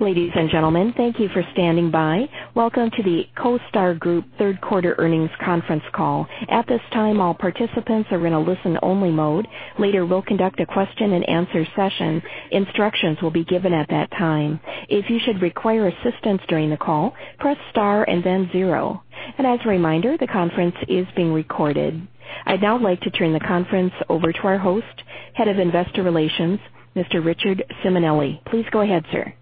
Ladies and gentlemen, thank you for standing by. Welcome to the CoStar Group third quarter earnings conference call. At this time, all participants are in a listen only mode. Later, we'll conduct a question and answer session. Instructions will be given at that time. If you should require assistance during the call, press star and then zero. As a reminder, the conference is being recorded. I'd now like to turn the conference over to our host, Head of Investor Relations, Mr. Richard Simonelli. Please go ahead, sir.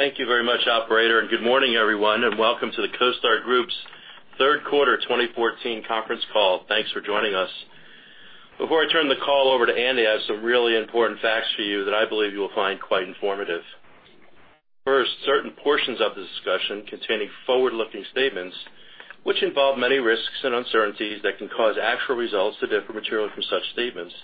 Thank you very much, operator. Good morning, everyone, and welcome to the CoStar Group's third quarter 2014 conference call. Thanks for joining us. Before I turn the call over to Andy, I have some really important facts for you that I believe you will find quite informative. First, certain portions of this discussion containing forward-looking statements, which involve many risks and uncertainties that can cause actual results to differ materially from such statements.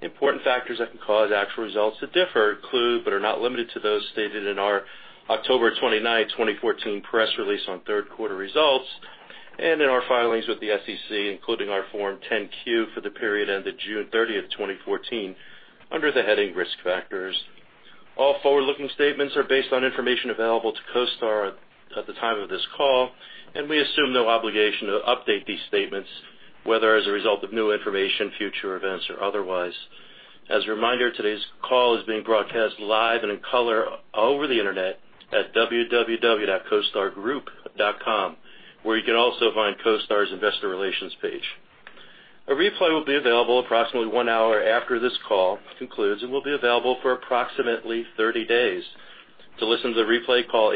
Important factors that can cause actual results to differ include, but are not limited to, those stated in our October 29, 2014, press release on third quarter results, and in our filings with the SEC, including our Form 10-Q for the period ended June 30, 2014, under the heading Risk Factors. All forward-looking statements are based on information available to CoStar at the time of this call, and we assume no obligation to update these statements, whether as a result of new information, future events, or otherwise. As a reminder, today's call is being broadcast live and in color over the internet at www.costargroup.com, where you can also find CoStar's investor relations page. A replay will be available approximately one hour after this call concludes and will be available for approximately 30 days. To listen to the replay, call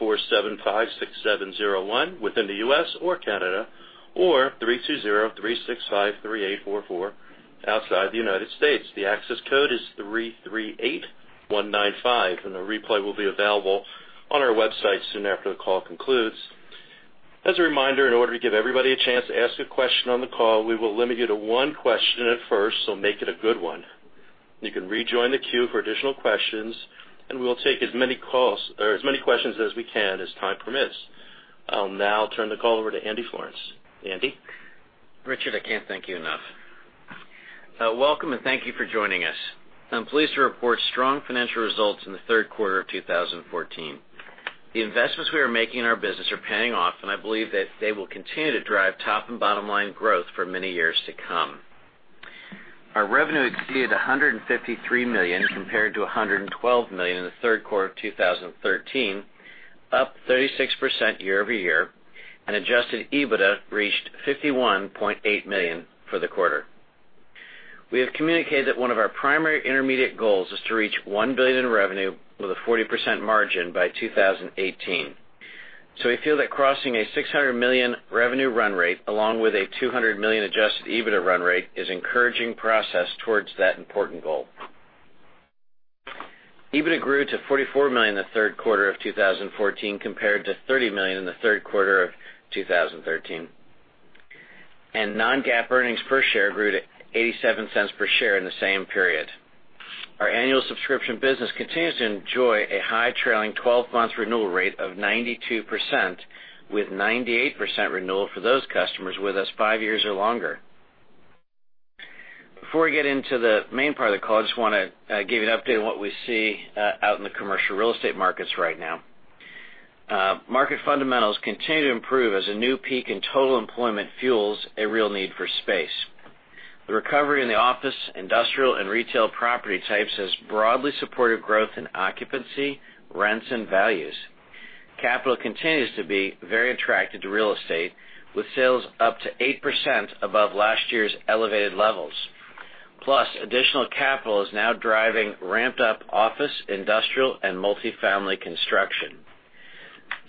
800-475-6701 within the U.S. or Canada or 320-365-3844 outside the United States. The access code is 338195, and the replay will be available on our website soon after the call concludes. As a reminder, in order to give everybody a chance to ask a question on the call, we will limit you to one question at first, make it a good one. You can rejoin the queue for additional questions, and we'll take as many questions as we can as time permits. I'll now turn the call over to Andy Florance. Andy? Richard, I can't thank you enough. Welcome, and thank you for joining us. I'm pleased to report strong financial results in the third quarter of 2014. The investments we are making in our business are paying off, and I believe that they will continue to drive top and bottom-line growth for many years to come. Our revenue exceeded $153 million compared to $112 million in the third quarter of 2013, up 36% year-over-year. Adjusted EBITDA reached $51.8 million for the quarter. We have communicated that one of our primary intermediate goals is to reach $1 billion in revenue with a 40% margin by 2018. We feel that crossing a $600 million revenue run rate, along with a $200 million adjusted EBITDA run rate is encouraging progress towards that important goal. EBITDA grew to $44 million in the third quarter of 2014 compared to $30 million in the third quarter of 2013. Non-GAAP earnings per share grew to $0.87 per share in the same period. Our annual subscription business continues to enjoy a high trailing 12-month renewal rate of 92%, with 98% renewal for those customers with us five years or longer. Before we get into the main part of the call, I just want to give you an update on what we see out in the commercial real estate markets right now. Market fundamentals continue to improve as a new peak in total employment fuels a real need for space. The recovery in the office, industrial, and retail property types has broadly supported growth in occupancy, rents, and values. Capital continues to be very attracted to real estate, with sales up to 8% above last year's elevated levels. Additional capital is now driving ramped-up office, industrial, and multifamily construction.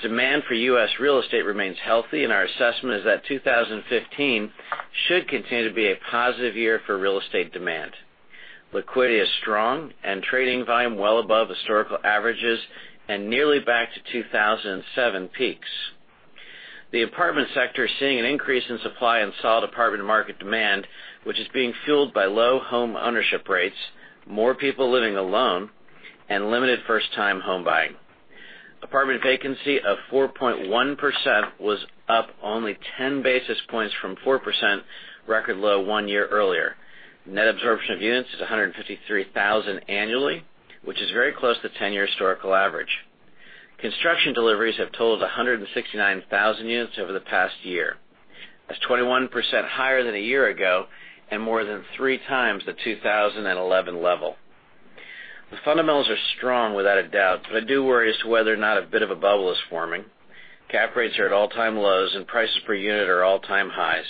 Demand for U.S. real estate remains healthy, and our assessment is that 2015 should continue to be a positive year for real estate demand. Liquidity is strong, and trading volume well above historical averages and nearly back to 2007 peaks. The apartment sector is seeing an increase in supply and solid apartment market demand, which is being fueled by low homeownership rates, more people living alone, and limited first-time home buying. Apartment vacancy of 4.1% was up only 10 basis points from 4% record low one year earlier. Net absorption of units is 153,000 annually, which is very close to the 10-year historical average. Construction deliveries have totaled 169,000 units over the past year. That's 21% higher than a year ago and more than three times the 2011 level. The fundamentals are strong, without a doubt, I do worry as to whether or not a bit of a bubble is forming. Cap rates are at all-time lows, and prices per unit are all-time highs.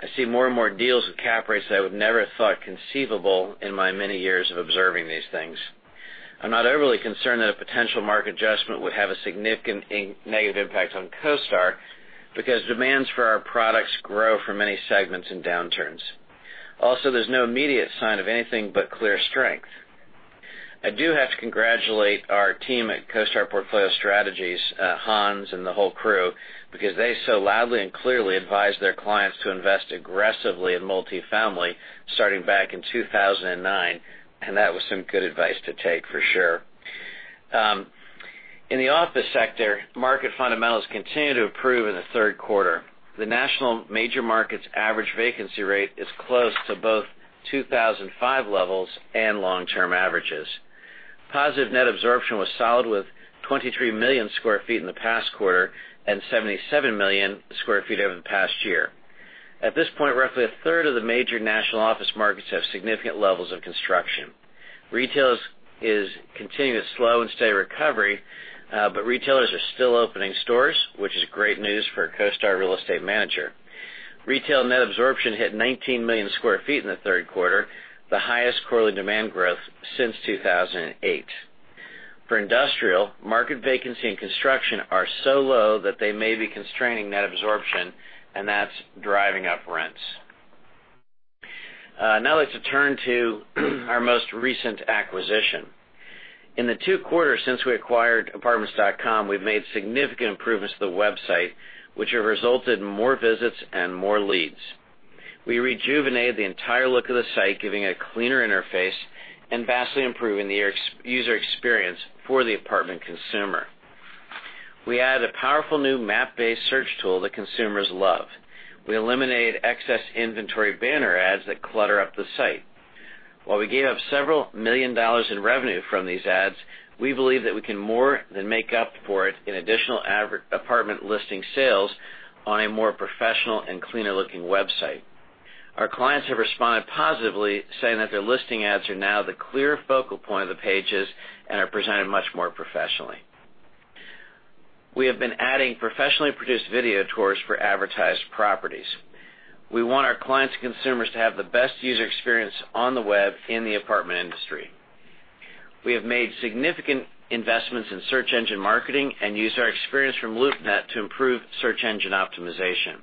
I see more and more deals with cap rates that I would never have thought conceivable in my many years of observing these things. I'm not overly concerned that a potential market adjustment would have a significant negative impact on CoStar, because demands for our products grow for many segments in downturns. Also, there's no immediate sign of anything but clear strength. I do have to congratulate our team at CoStar Portfolio Strategy, Hans and the whole crew, because they so loudly and clearly advised their clients to invest aggressively in multifamily starting back in 2009. That was some good advice to take for sure. In the office sector, market fundamentals continue to improve in the third quarter. The national major markets average vacancy rate is close to both 2005 levels and long-term averages. Positive net absorption was solid, with 23 million square feet in the past quarter and 77 million square feet over the past year. At this point, roughly a third of the major national office markets have significant levels of construction. Retail is continuing a slow and steady recovery. Retailers are still opening stores, which is great news for a CoStar Real Estate Manager. Retail net absorption hit 19 million square feet in the third quarter, the highest quarterly demand growth since 2008. For industrial, market vacancy and construction are so low that they may be constraining net absorption. That's driving up rents. Now let's turn to our most recent acquisition. In the two quarters since we acquired Apartments.com, we've made significant improvements to the website, which have resulted in more visits and more leads. We rejuvenated the entire look of the site, giving it a cleaner interface and vastly improving the user experience for the apartment consumer. We added a powerful new map-based search tool that consumers love. We eliminated excess inventory banner ads that clutter up the site. While we gave up several million dollars in revenue from these ads, we believe that we can more than make up for it in additional apartment listing sales on a more professional and cleaner-looking website. Our clients have responded positively, saying that their listing ads are now the clear focal point of the pages and are presented much more professionally. We have been adding professionally produced video tours for advertised properties. We want our clients and consumers to have the best user experience on the web in the apartment industry. We have made significant investments in SEM and used our experience from LoopNet to improve SEO.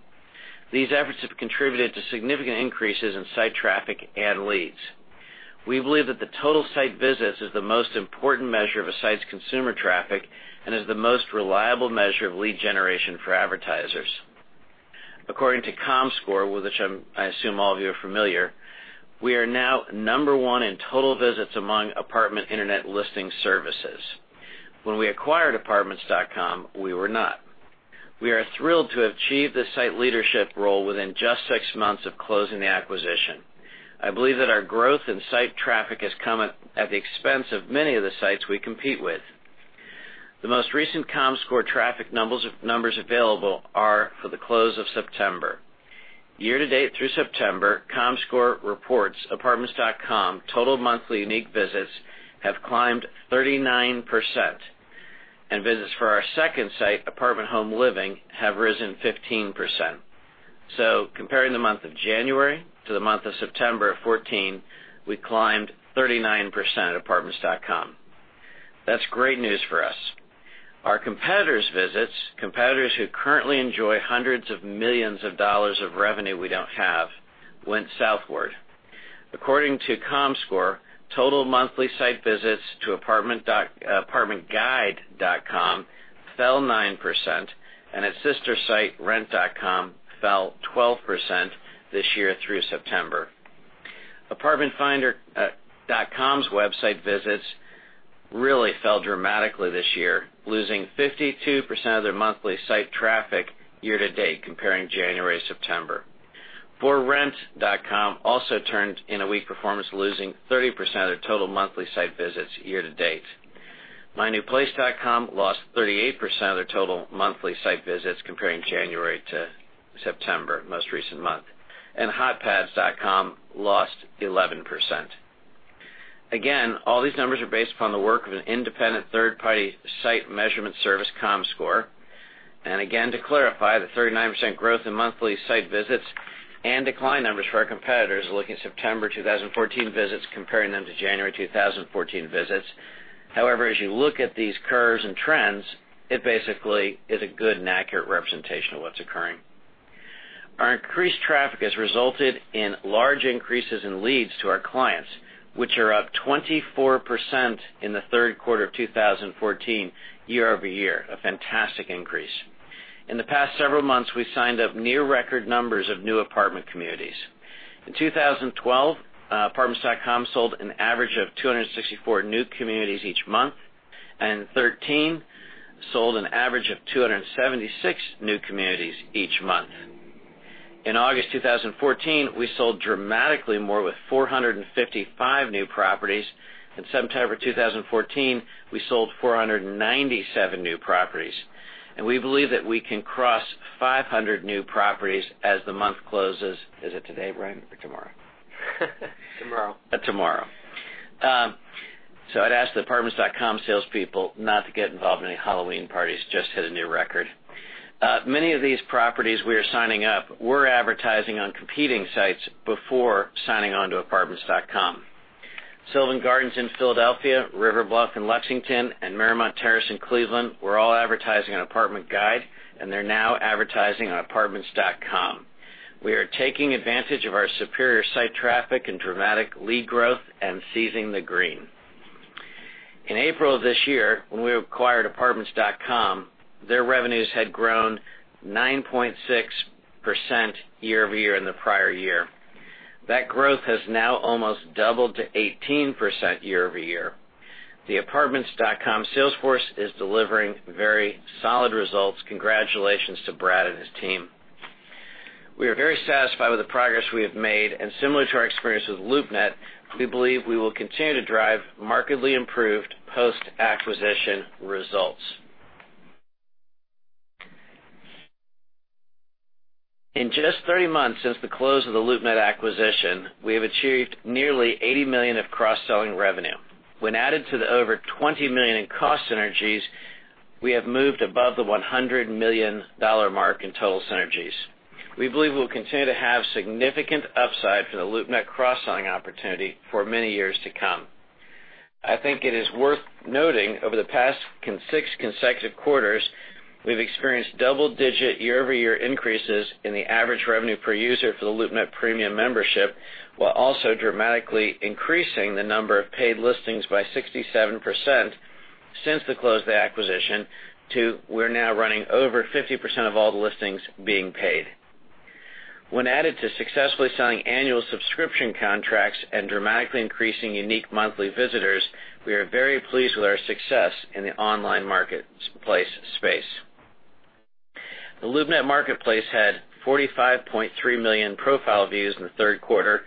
These efforts have contributed to significant increases in site traffic and leads. We believe that the total site visits is the most important measure of a site's consumer traffic and is the most reliable measure of lead generation for advertisers. According to Comscore, with which I assume all of you are familiar, we are now number one in total visits among apartment internet listing services. When we acquired Apartments.com, we were not. We are thrilled to have achieved this site leadership role within just six months of closing the acquisition. I believe that our growth in site traffic has come at the expense of many of the sites we compete with. The most recent Comscore traffic numbers available are for the close of September. Year-to-date through September, Comscore reports Apartments.com total monthly unique visits have climbed 39%, and visits for our second site, Apartment Home Living, have risen 15%. Comparing the month of January to the month of September 2014, we climbed 39% at Apartments.com. That's great news for us. Our competitors' visits, competitors who currently enjoy hundreds of millions of dollars of revenue we don't have, went southward. According to Comscore, total monthly site visits to ApartmentGuide.com fell 9%. Its sister site, ForRent.com, fell 12% this year through September. ApartmentFinder.com website visits really fell dramatically this year, losing 52% of their monthly site traffic year-to-date, comparing January to September. ForRent.com also turned in a weak performance, losing 30% of their total monthly site visits year-to-date. MyNewPlace.com lost 38% of their total monthly site visits comparing January to September, most recent month. HotPads.com lost 11%. Again, all these numbers are based upon the work of an independent third-party site measurement service, Comscore. Again, to clarify, the 39% growth in monthly site visits and decline numbers for our competitors are looking at September 2014 visits, comparing them to January 2014 visits. However, as you look at these curves and trends, it basically is a good and accurate representation of what's occurring. Our increased traffic has resulted in large increases in leads to our clients, which are up 24% in the third quarter of 2014 year-over-year, a fantastic increase. In the past several months, we've signed up near-record numbers of new apartment communities. In 2012, Apartments.com sold an average of 264 new communities each month, in 2013, sold an average of 276 new communities each month. In August 2014, we sold dramatically more, with 455 new properties. In September 2014, we sold 497 new properties. We believe that we can cross 500 new properties as the month closes. Is it today, Brian, or tomorrow? Tomorrow. Tomorrow. I'd ask the Apartments.com salespeople not to get involved in any Halloween parties, just hit a new record. Many of these properties we are signing up were advertising on competing sites before signing on to Apartments.com. Sylvania Gardens in Philadelphia, River Bluff in Lexington, and Marchmont Terrace in Cleveland were all advertising on Apartment Guide, They're now advertising on Apartments.com. We are taking advantage of our superior site traffic and dramatic lead growth and seizing the green. In April of this year, when we acquired Apartments.com, their revenues had grown 9.6% year-over-year in the prior year. That growth has now almost doubled to 18% year-over-year. The Apartments.com sales force is delivering very solid results. Congratulations to Brad and his team. We are very satisfied with the progress we have made, Similar to our experience with LoopNet, we believe we will continue to drive markedly improved post-acquisition results. In just 30 months since the close of the LoopNet acquisition, we have achieved nearly $80 million of cross-selling revenue. When added to the over $20 million in cost synergies, we have moved above the $100 million mark in total synergies. We believe we will continue to have significant upside from the LoopNet cross-selling opportunity for many years to come. I think it is worth noting, over the past six consecutive quarters, we've experienced double-digit year-over-year increases in the average revenue per user for the LoopNet Premium membership, while also dramatically increasing the number of paid listings by 67% since the close of the acquisition to we're now running over 50% of all the listings being paid. When added to successfully selling annual subscription contracts and dramatically increasing unique monthly visitors, we are very pleased with our success in the online marketplace space. The LoopNet marketplace had 45.3 million profile views in the third quarter.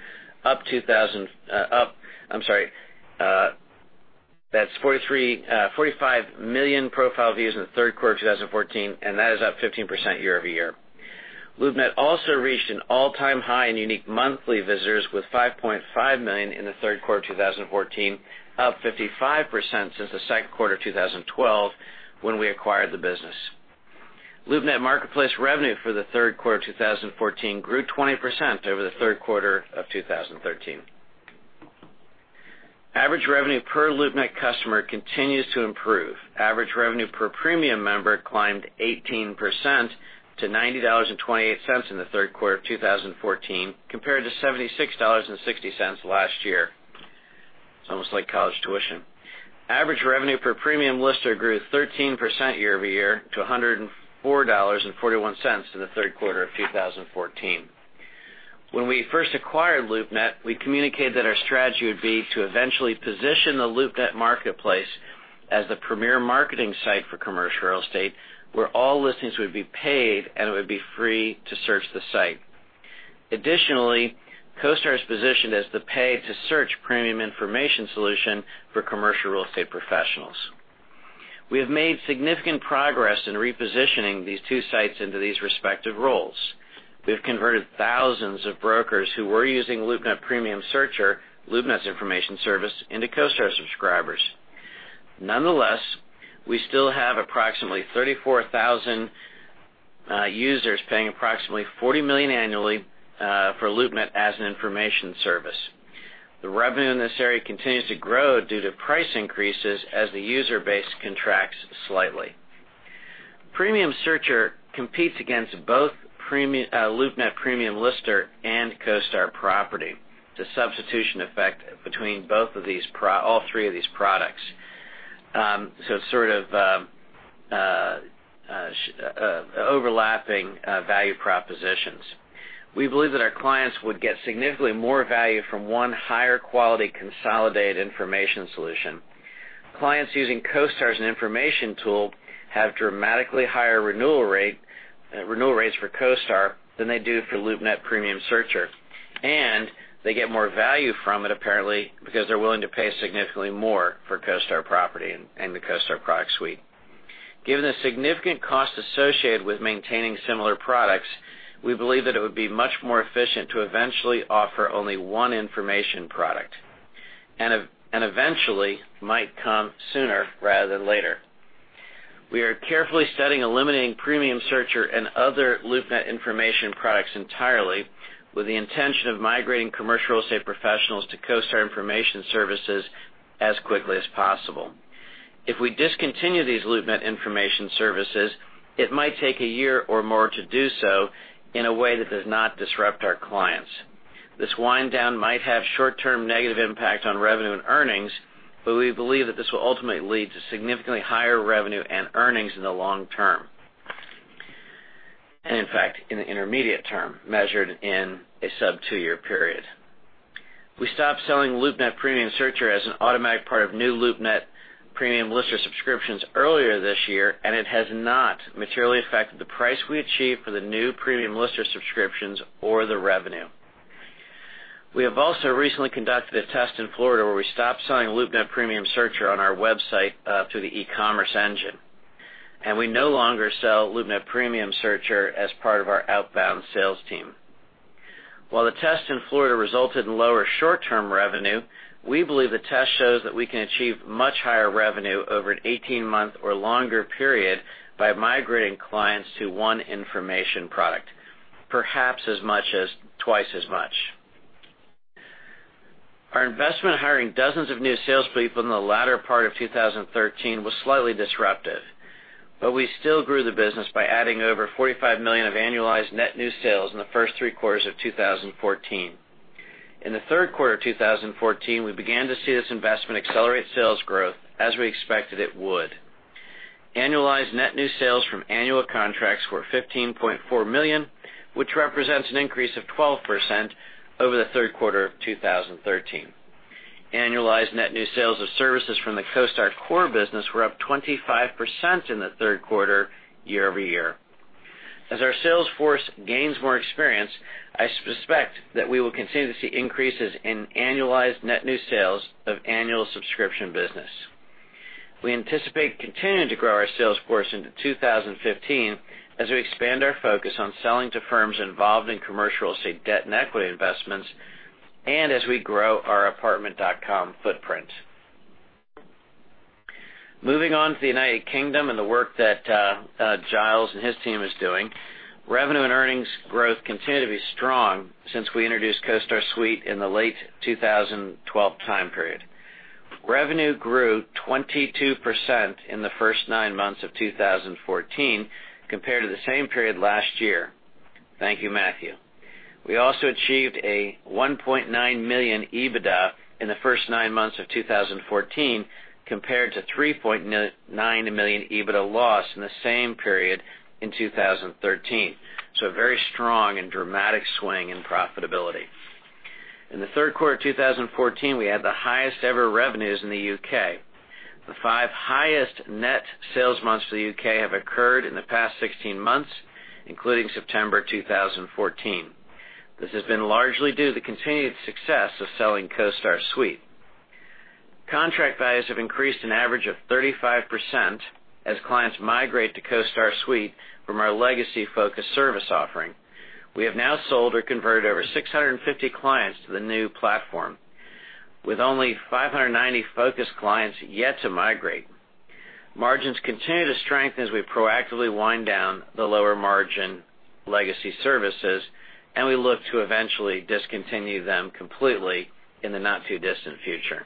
That's 45 million profile views in the third quarter of 2014, and that is up 15% year-over-year. LoopNet also reached an all-time high in unique monthly visitors with 5.5 million in the third quarter of 2014, up 55% since the second quarter of 2012, when we acquired the business. LoopNet marketplace revenue for the third quarter 2014 grew 20% over the third quarter of 2013. Average revenue per LoopNet customer continues to improve. Average revenue per premium member climbed 18% to $90.28 in the third quarter of 2014, compared to $76.60 last year. It's almost like college tuition. Average revenue per Premium Lister grew 13% year-over-year to $104.41 in the third quarter of 2014. When we first acquired LoopNet, we communicated that our strategy would be to eventually position the LoopNet marketplace as the premier marketing site for commercial real estate, where all listings would be paid, and it would be free to search the site. Additionally, CoStar is positioned as the pay-to-search premium information solution for commercial real estate professionals. We have made significant progress in repositioning these two sites into these respective roles. We've converted thousands of brokers who were using LoopNet Premium Searcher, LoopNet's information service, into CoStar subscribers. Nonetheless, we still have approximately 34,000 users paying approximately $40 million annually for LoopNet as an information service. The revenue in this area continues to grow due to price increases as the user base contracts slightly. Premium Searcher competes against both LoopNet Premium Lister and CoStar Property. It's a substitution effect between all three of these products. Sort of overlapping value propositions. We believe that our clients would get significantly more value from one higher-quality, consolidated information solution. Clients using CoStar as an information tool have dramatically higher renewal rates for CoStar than they do for LoopNet Premium Searcher, and they get more value from it, apparently, because they're willing to pay significantly more for CoStar Property and the CoStar Suite. Given the significant cost associated with maintaining similar products, we believe that it would be much more efficient to eventually offer only one information product, and eventually might come sooner rather than later. We are carefully studying eliminating Premium Searcher and other LoopNet information products entirely, with the intention of migrating commercial real estate professionals to CoStar Information Services as quickly as possible. If we discontinue these LoopNet information services, it might take a year or more to do so in a way that does not disrupt our clients. This wind down might have short-term negative impact on revenue and earnings, but we believe that this will ultimately lead to significantly higher revenue and earnings in the long term. In fact, in the intermediate term, measured in a sub two-year period. We stopped selling LoopNet Premium Searcher as an automatic part of new LoopNet Premium Lister subscriptions earlier this year, and it has not materially affected the price we achieved for the new Premium Lister subscriptions or the revenue. We have also recently conducted a test in Florida where we stopped selling LoopNet Premium Searcher on our website through the e-commerce engine, and we no longer sell LoopNet Premium Searcher as part of our outbound sales team. While the test in Florida resulted in lower short-term revenue, we believe the test shows that we can achieve much higher revenue over an 18-month or longer period by migrating clients to one information product, perhaps as much as twice as much. Our investment in hiring dozens of new sales people in the latter part of 2013 was slightly disruptive, but we still grew the business by adding over $45 million of annualized net new sales in the first three quarters of 2014. In the third quarter of 2014, we began to see this investment accelerate sales growth as we expected it would. Annualized net new sales from annual contracts were $15.4 million, which represents an increase of 12% over the third quarter of 2013. Annualized net new sales of services from the CoStar core business were up 25% in the third quarter year-over-year. As our sales force gains more experience, I suspect that we will continue to see increases in annualized net new sales of annual subscription business. We anticipate continuing to grow our sales force into 2015 as we expand our focus on selling to firms involved in commercial real estate debt and equity investments, and as we grow our Apartments.com footprint. Moving on to the U.K. and the work that Giles and his team is doing. Revenue and earnings growth continue to be strong since we introduced CoStar Suite in the late 2012 time period. Revenue grew 22% in the first nine months of 2014 compared to the same period last year. Thank you, Matthew. We also achieved a $1.9 million EBITDA in the first nine months of 2014, compared to $3.9 million EBITDA loss in the same period in 2013. A very strong and dramatic swing in profitability. In the third quarter of 2014, we had the highest-ever revenues in the U.K. The five highest net sales months for the U.K. have occurred in the past 16 months, including September 2014. This has been largely due to the continued success of selling CoStar Suite. Contract values have increased an average of 35% as clients migrate to CoStar Suite from our legacy FOCUS service offering. We have now sold or converted over 650 clients to the new platform, with only 590 FOCUS clients yet to migrate. Margins continue to strengthen as we proactively wind down the lower margin legacy services, and we look to eventually discontinue them completely in the not-too-distant future.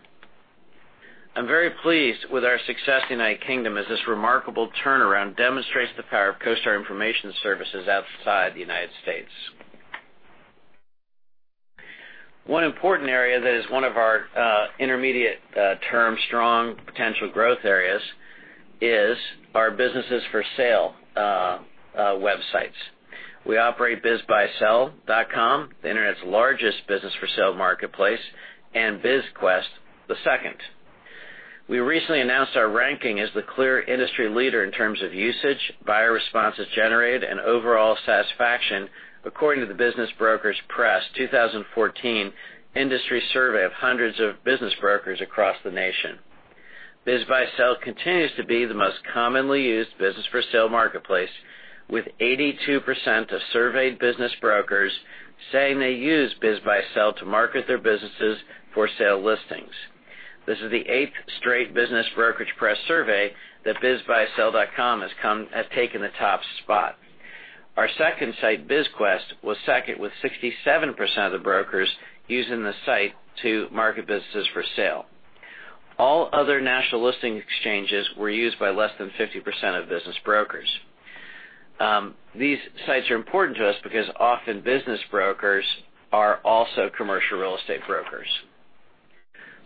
I'm very pleased with our success in the U.K., as this remarkable turnaround demonstrates the power of CoStar Information Services outside the U.S. One important area that is one of our intermediate term strong potential growth areas is our businesses for sale websites. We operate BizBuySell.com, the internet's largest business for sale marketplace, and BizQuest, the second. We recently announced our ranking as the clear industry leader in terms of usage, buyer responses generated, and overall satisfaction, according to the Business Brokerage Press 2014 industry survey of hundreds of business brokers across the nation. BizBuySell continues to be the most commonly used business for sale marketplace, with 82% of surveyed business brokers saying they use BizBuySell to market their businesses for sale listings. This is the eighth straight Business Brokerage Press survey that BizBuySell.com has taken the top spot. Our second site, BizQuest, was second with 67% of the brokers using the site to market businesses for sale. All other national listing exchanges were used by less than 50% of business brokers. These sites are important to us because often business brokers are also commercial real estate brokers.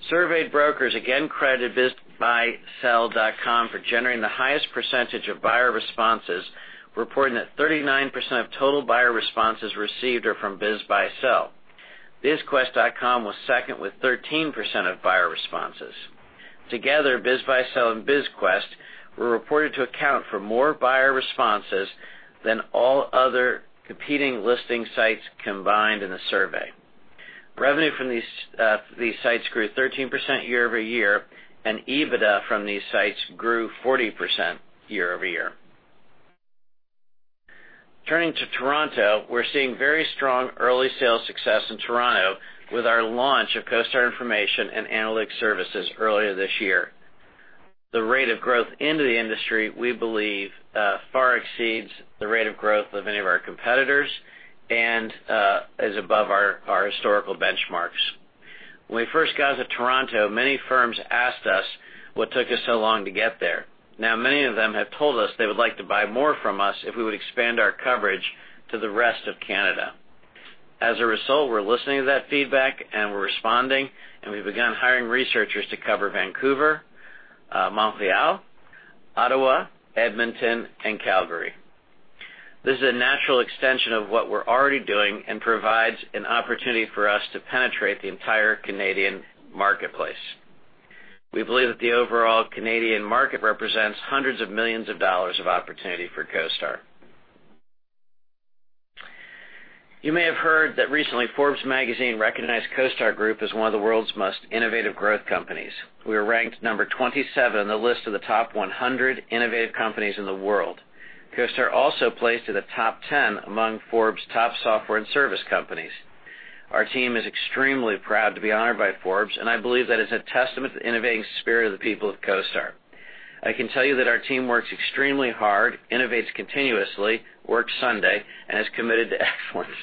Surveyed brokers again credited bizbuysell.com for generating the highest percentage of buyer responses, reporting that 39% of total buyer responses received are from BizBuySell. BizQuest.com was second with 13% of buyer responses. Together, BizBuySell and BizQuest were reported to account for more buyer responses than all other competing listing sites combined in the survey. Revenue from these sites grew 13% year-over-year, and EBITDA from these sites grew 40% year-over-year. Turning to Toronto, we're seeing very strong early sales success in Toronto with our launch of CoStar Information and Analytics Services earlier this year. The rate of growth into the industry, we believe, far exceeds the rate of growth of any of our competitors and is above our historical benchmarks. When we first got to Toronto, many firms asked us what took us so long to get there. Now, many of them have told us they would like to buy more from us if we would expand our coverage to the rest of Canada. As a result, we're listening to that feedback and we're responding, and we've begun hiring researchers to cover Vancouver, Montreal, Ottawa, Edmonton, and Calgary. This is a natural extension of what we're already doing and provides an opportunity for us to penetrate the entire Canadian marketplace. We believe that the overall Canadian market represents $hundreds of millions of opportunity for CoStar. You may have heard that recently Forbes magazine recognized CoStar Group as one of the world's most innovative growth companies. We were ranked number 27 on the list of the top 100 innovative companies in the world. CoStar also placed in the top 10 among Forbes top software and service companies. Our team is extremely proud to be honored by Forbes, and I believe that is a testament to the innovating spirit of the people of CoStar. I can tell you that our team works extremely hard, innovates continuously, works Sunday, and is committed to excellence.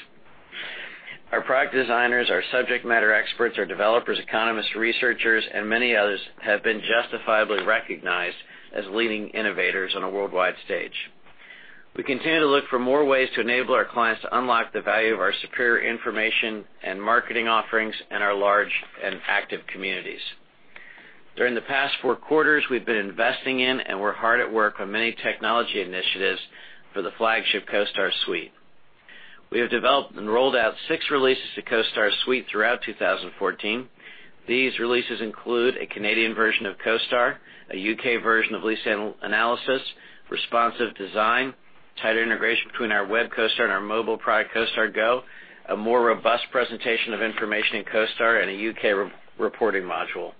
Our product designers, our subject matter experts, our developers, economists, researchers, and many others have been justifiably recognized as leading innovators on a worldwide stage. We continue to look for more ways to enable our clients to unlock the value of our superior information and marketing offerings and our large and active communities. During the past four quarters, we've been investing in, and we're hard at work on many technology initiatives for the flagship CoStar Suite. We have developed and rolled out six releases to CoStar Suite throughout 2014. These releases include a Canadian version of CoStar, a U.K. version of Lease Analysis, responsive design, tighter integration between our web CoStar and our mobile product, CoStar Go, a more robust presentation of information in CoStar, and a U.K. reporting module.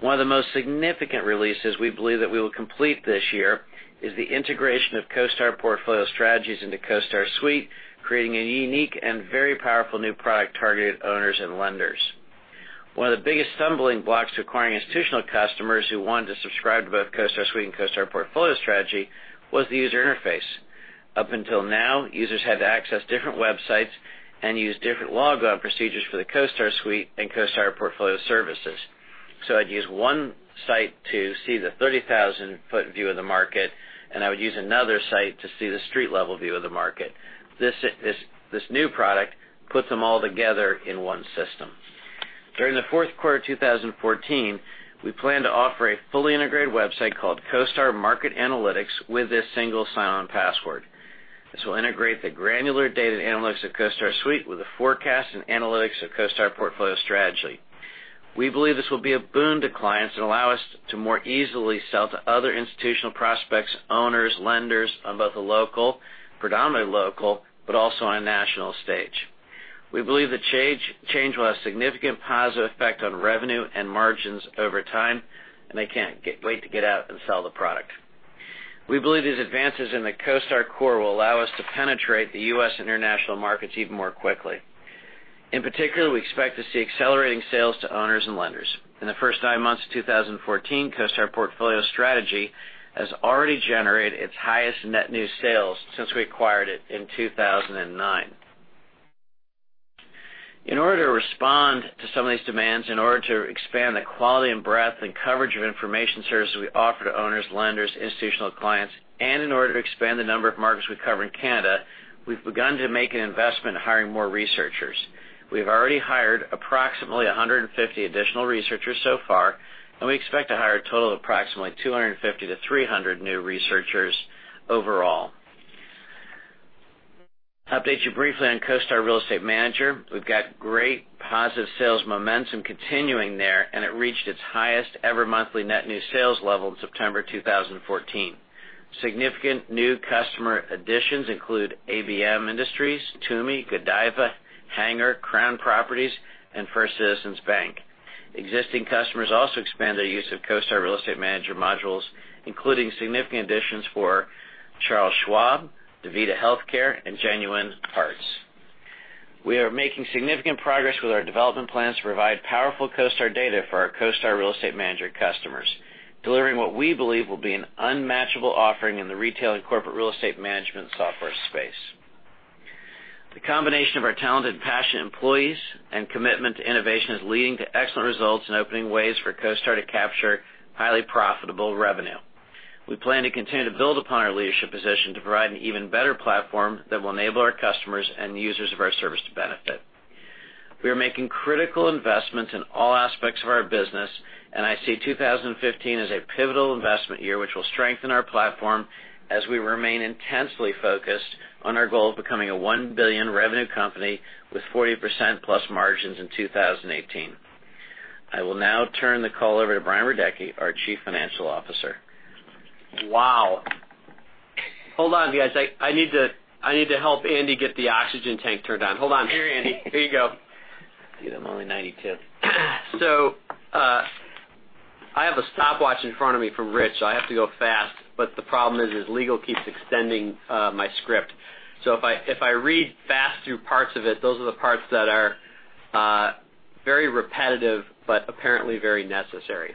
One of the most significant releases we believe that we will complete this year is the integration of CoStar Portfolio Strategy into CoStar Suite, creating a unique and very powerful new product targeted at owners and lenders. One of the biggest stumbling blocks to acquiring institutional customers who wanted to subscribe to both CoStar Suite and CoStar Portfolio Strategy was the user interface. Up until now, users had to access different websites and use different logout procedures for the CoStar Suite and CoStar Portfolio Strategy. I'd use one site to see the 30,000-foot view of the market, I would use another site to see the street-level view of the market. This new product puts them all together in one system. During the fourth quarter of 2014, we plan to offer a fully integrated website called CoStar Market Analytics with a single sign-on password. This will integrate the granular data analytics of CoStar Suite with the forecast and analytics of CoStar Portfolio Strategy. We believe this will be a boon to clients and allow us to more easily sell to other institutional prospects, owners, lenders on both a local, predominantly local, but also on a national stage. We believe the change will have a significant positive effect on revenue and margins over time, I can't wait to get out and sell the product. We believe these advances in the CoStar core will allow us to penetrate the U.S. and international markets even more quickly. In particular, we expect to see accelerating sales to owners and lenders. In the first nine months of 2014, CoStar Portfolio Strategy has already generated its highest net new sales since we acquired it in 2009. In order to respond to some of these demands, in order to expand the quality and breadth and coverage of information services we offer to owners, lenders, institutional clients, in order to expand the number of markets we cover in Canada, we've begun to make an investment in hiring more researchers. We've already hired approximately 150 additional researchers so far, we expect to hire a total of approximately 250 to 300 new researchers overall. To update you briefly on CoStar Real Estate Manager, we've got great positive sales momentum continuing there, it reached its highest-ever monthly net new sales level in September 2014. Significant new customer additions include ABM Industries, Tumi, Godiva, Hanger, Crown Properties, First Citizens Bank. Existing customers also expand their use of CoStar Real Estate Manager modules, including significant additions for Charles Schwab, DaVita Healthcare, and Genuine Parts. We are making significant progress with our development plans to provide powerful CoStar data for our CoStar Real Estate Manager customers, delivering what we believe will be an unmatchable offering in the retail and corporate real estate management software space. The combination of our talented and passionate employees and commitment to innovation is leading to excellent results opening ways for CoStar to capture highly profitable revenue. We plan to continue to build upon our leadership position to provide an even better platform that will enable our customers and users of our service to benefit. We are making critical investments in all aspects of our business, I see 2015 as a pivotal investment year which will strengthen our platform as we remain intensely focused on our goal of becoming a $1 billion revenue company with 40% plus margins in 2018. I will now turn the call over to Brian Radecki, our Chief Financial Officer. Wow. Hold on, guys. I need to help Andy get the oxygen tank turned on. Hold on. Here, Andy. Here you go. Gee, I'm only 90, kid. I have a stopwatch in front of me from Rich, so I have to go fast, but the problem is legal keeps extending my script. If I read fast through parts of it, those are the parts that are very repetitive, but apparently very necessary.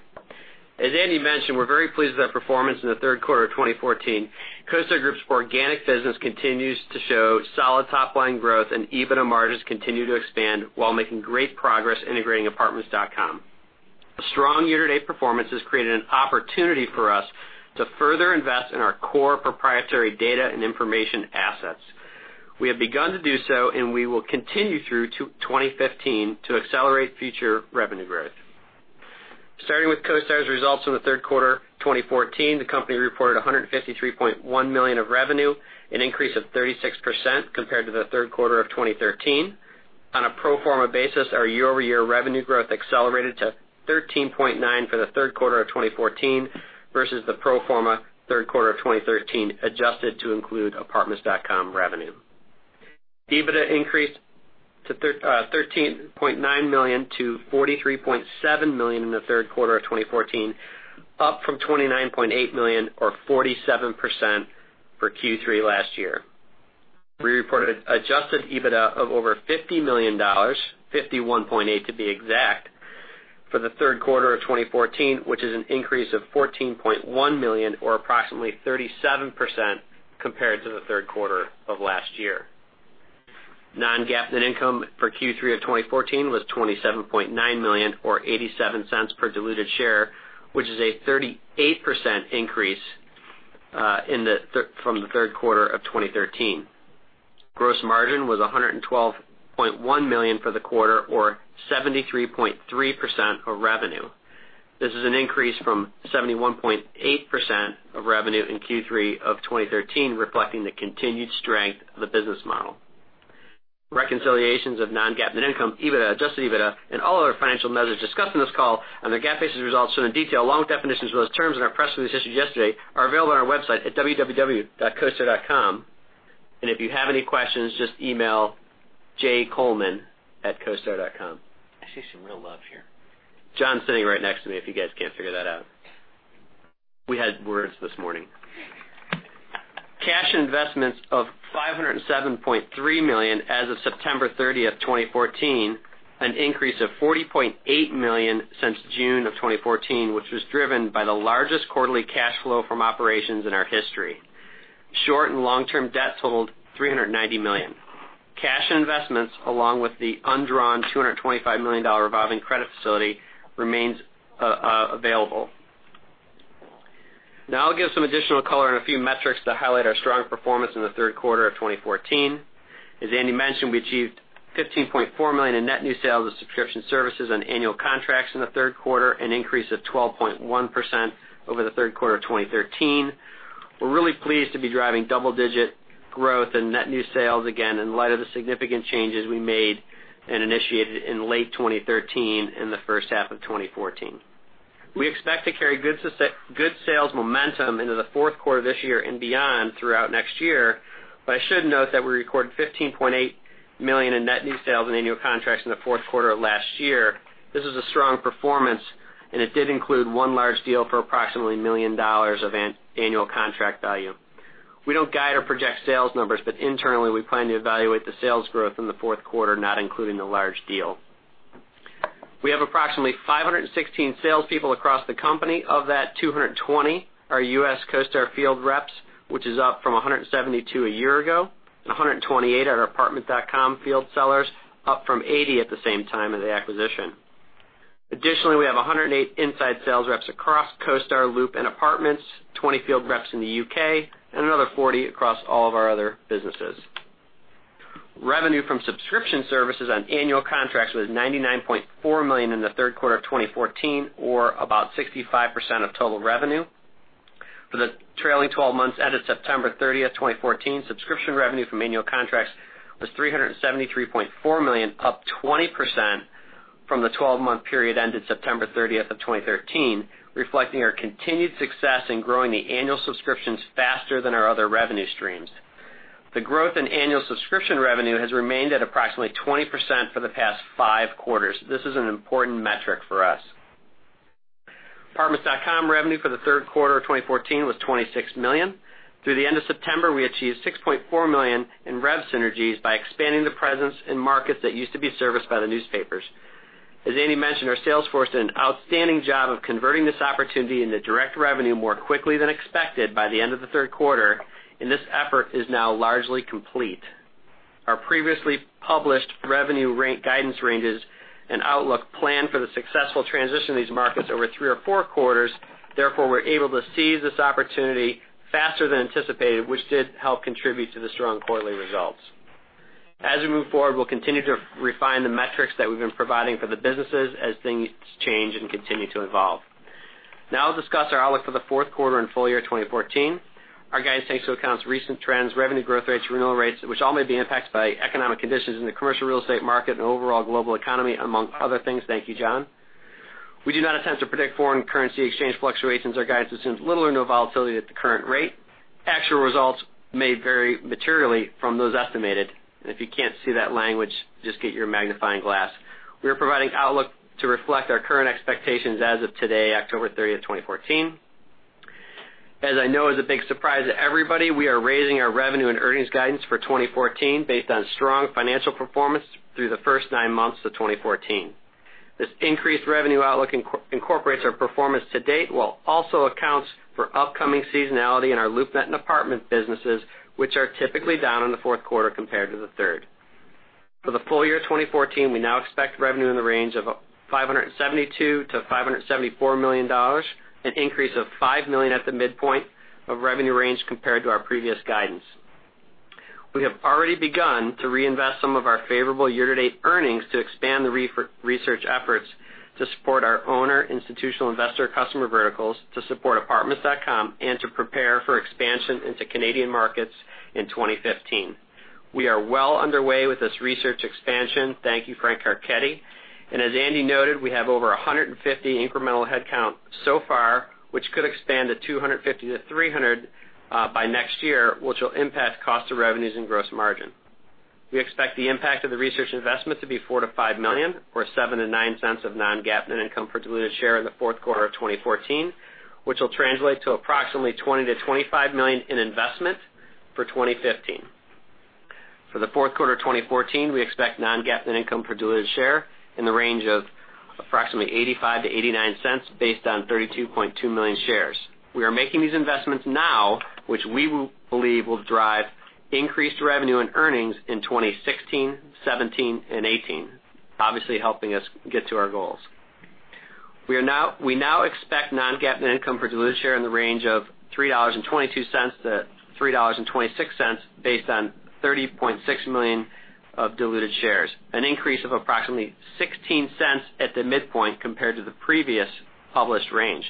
As Andy mentioned, we're very pleased with our performance in the third quarter of 2014. CoStar Group's organic business continues to show solid top-line growth, and EBITDA margins continue to expand while making great progress integrating Apartments.com. A strong year-to-date performance has created an opportunity for us to further invest in our core proprietary data and information assets. We have begun to do so, and we will continue through to 2015 to accelerate future revenue growth. Starting with CoStar's results in the third quarter 2014, the company reported $153.1 million of revenue, an increase of 36% compared to the third quarter of 2013. On a pro forma basis, our year-over-year revenue growth accelerated to 13.9% for the third quarter of 2014 versus the pro forma third quarter of 2013, adjusted to include Apartments.com revenue. EBITDA increased to $13.9 million to $43.7 million in the third quarter of 2014, up from $29.8 million or 47% for Q3 last year. We reported adjusted EBITDA of over $50 million, $51.8 million to be exact, for the third quarter of 2014, which is an increase of $14.1 million or approximately 37% compared to the third quarter of last year. Non-GAAP net income for Q3 of 2014 was $27.9 million, or $0.87 per diluted share, which is a 38% increase from the third quarter of 2013. Gross margin was $112.1 million for the quarter, or 73.3% of revenue. This is an increase from 71.8% of revenue in Q3 of 2013, reflecting the continued strength of the business model. Reconciliations of non-GAAP net income, EBITDA, adjusted EBITDA, and all other financial measures discussed on this call and the GAAP basis results shown in detail, along with definitions of those terms in our press release issued yesterday, are available on our website at www.costar.com. If you have any questions, just email jcoleman@costar.com. I see some real love here. John's sitting right next to me, if you guys can't figure that out. We had words this morning. Cash investments of $507.3 million as of September 30, 2014, an increase of $40.8 million since June of 2014, which was driven by the largest quarterly cash flow from operations in our history. Short and long-term debt totaled $390 million. Cash investments, along with the undrawn $225 million revolving credit facility, remains available. I'll give some additional color on a few metrics to highlight our strong performance in the third quarter of 2014. As Andy mentioned, we achieved $15.4 million in net new sales of subscription services on annual contracts in the third quarter, an increase of 12.1% over the third quarter of 2013. We're really pleased to be driving double-digit growth in net new sales again in light of the significant changes we made and initiated in late 2013 and the first half of 2014. We expect to carry good sales momentum into the fourth quarter this year and beyond throughout next year. I should note that we recorded $15.8 million in net new sales and annual contracts in the fourth quarter of last year. This is a strong performance, and it did include one large deal for approximately $1 million of annual contract value. We don't guide or project sales numbers. Internally, we plan to evaluate the sales growth in the fourth quarter, not including the large deal. We have approximately 516 salespeople across the company. Of that, 220 are U.S. CoStar field reps, which is up from 172 a year ago, and 128 are Apartments.com field sellers, up from 80 at the same time of the acquisition. Additionally, we have 108 inside sales reps across CoStar, Loop, and Apartments, 20 field reps in the U.K., and another 40 across all of our other businesses. Revenue from subscription services on annual contracts was $99.4 million in the third quarter of 2014, or about 65% of total revenue. For the trailing 12 months ended September 30, 2014, subscription revenue from annual contracts was $373.4 million, up 20% from the 12-month period ended September 30 of 2013, reflecting our continued success in growing the annual subscriptions faster than our other revenue streams. The growth in annual subscription revenue has remained at approximately 20% for the past five quarters. This is an important metric for us. Apartments.com revenue for the third quarter of 2014 was $26 million. Through the end of September, we achieved $6.4 million in rev synergies by expanding the presence in markets that used to be serviced by the newspapers. As Andy mentioned, our sales force did an outstanding job of converting this opportunity into direct revenue more quickly than expected by the end of the third quarter, and this effort is now largely complete. Our previously published revenue guidance ranges and outlook planned for the successful transition of these markets over three or four quarters. Therefore, we're able to seize this opportunity faster than anticipated, which did help contribute to the strong quarterly results. As we move forward, we'll continue to refine the metrics that we've been providing for the businesses as things change and continue to evolve. Now I'll discuss our outlook for the fourth quarter and full year 2014. Our guidance takes into account recent trends, revenue growth rates, renewal rates, which all may be impacted by economic conditions in the commercial real estate market and overall global economy, among other things. Thank you, John. We do not attempt to predict foreign currency exchange fluctuations. Our guidance assumes little or no volatility at the current rate. Actual results may vary materially from those estimated, and if you can't see that language, just get your magnifying glass. We are providing outlook to reflect our current expectations as of today, October 30, 2014. As I know is a big surprise to everybody, we are raising our revenue and earnings guidance for 2014 based on strong financial performance through the first nine months of 2014. This increased revenue outlook incorporates our performance to date while also accounts for upcoming seasonality in our LoopNet and Apartment businesses, which are typically down in the fourth quarter compared to the third. For the full year 2014, we now expect revenue in the range of $572 million-$574 million, an increase of $5 million at the midpoint of revenue range compared to our previous guidance. We have already begun to reinvest some of our favorable year-to-date earnings to expand the research efforts to support our owner, institutional investor customer verticals, to support Apartments.com, and to prepare for expansion into Canadian markets in 2015. We are well underway with this research expansion. Thank you, Frank Carletti. As Andy noted, we have over 150 incremental headcount so far, which could expand to 250-300 by next year, which will impact cost of revenues and gross margin. We expect the impact of the research investment to be $4 million-$5 million, or $0.07-$0.09 of non-GAAP net income per diluted share in the fourth quarter of 2014, which will translate to approximately $20 million-$25 million in investment for 2015. For the fourth quarter 2014, we expect non-GAAP net income per diluted share in the range of $0.85-$0.89 based on 32.2 million shares. We are making these investments now, which we believe will drive increased revenue and earnings in 2016, 2017, and 2018, obviously helping us get to our goals. We now expect non-GAAP net income per diluted share in the range of $3.22-$3.26 based on 30.6 million of diluted shares, an increase of approximately $0.16 at the midpoint compared to the previous published range.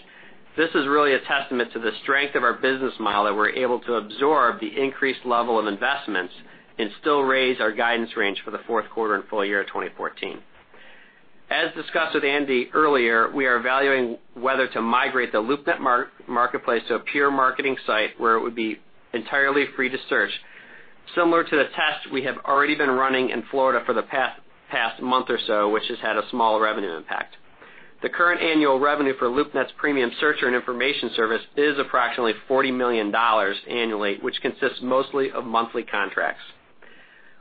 This is really a testament to the strength of our business model that we're able to absorb the increased level of investments and still raise our guidance range for the fourth quarter and full year of 2014. As discussed with Andy earlier, we are evaluating whether to migrate the LoopNet marketplace to a pure marketing site where it would be entirely free to search, similar to the test we have already been running in Florida for the past month or so, which has had a small revenue impact. The current annual revenue for LoopNet's Premium Searcher and information service is approximately $40 million annually, which consists mostly of monthly contracts.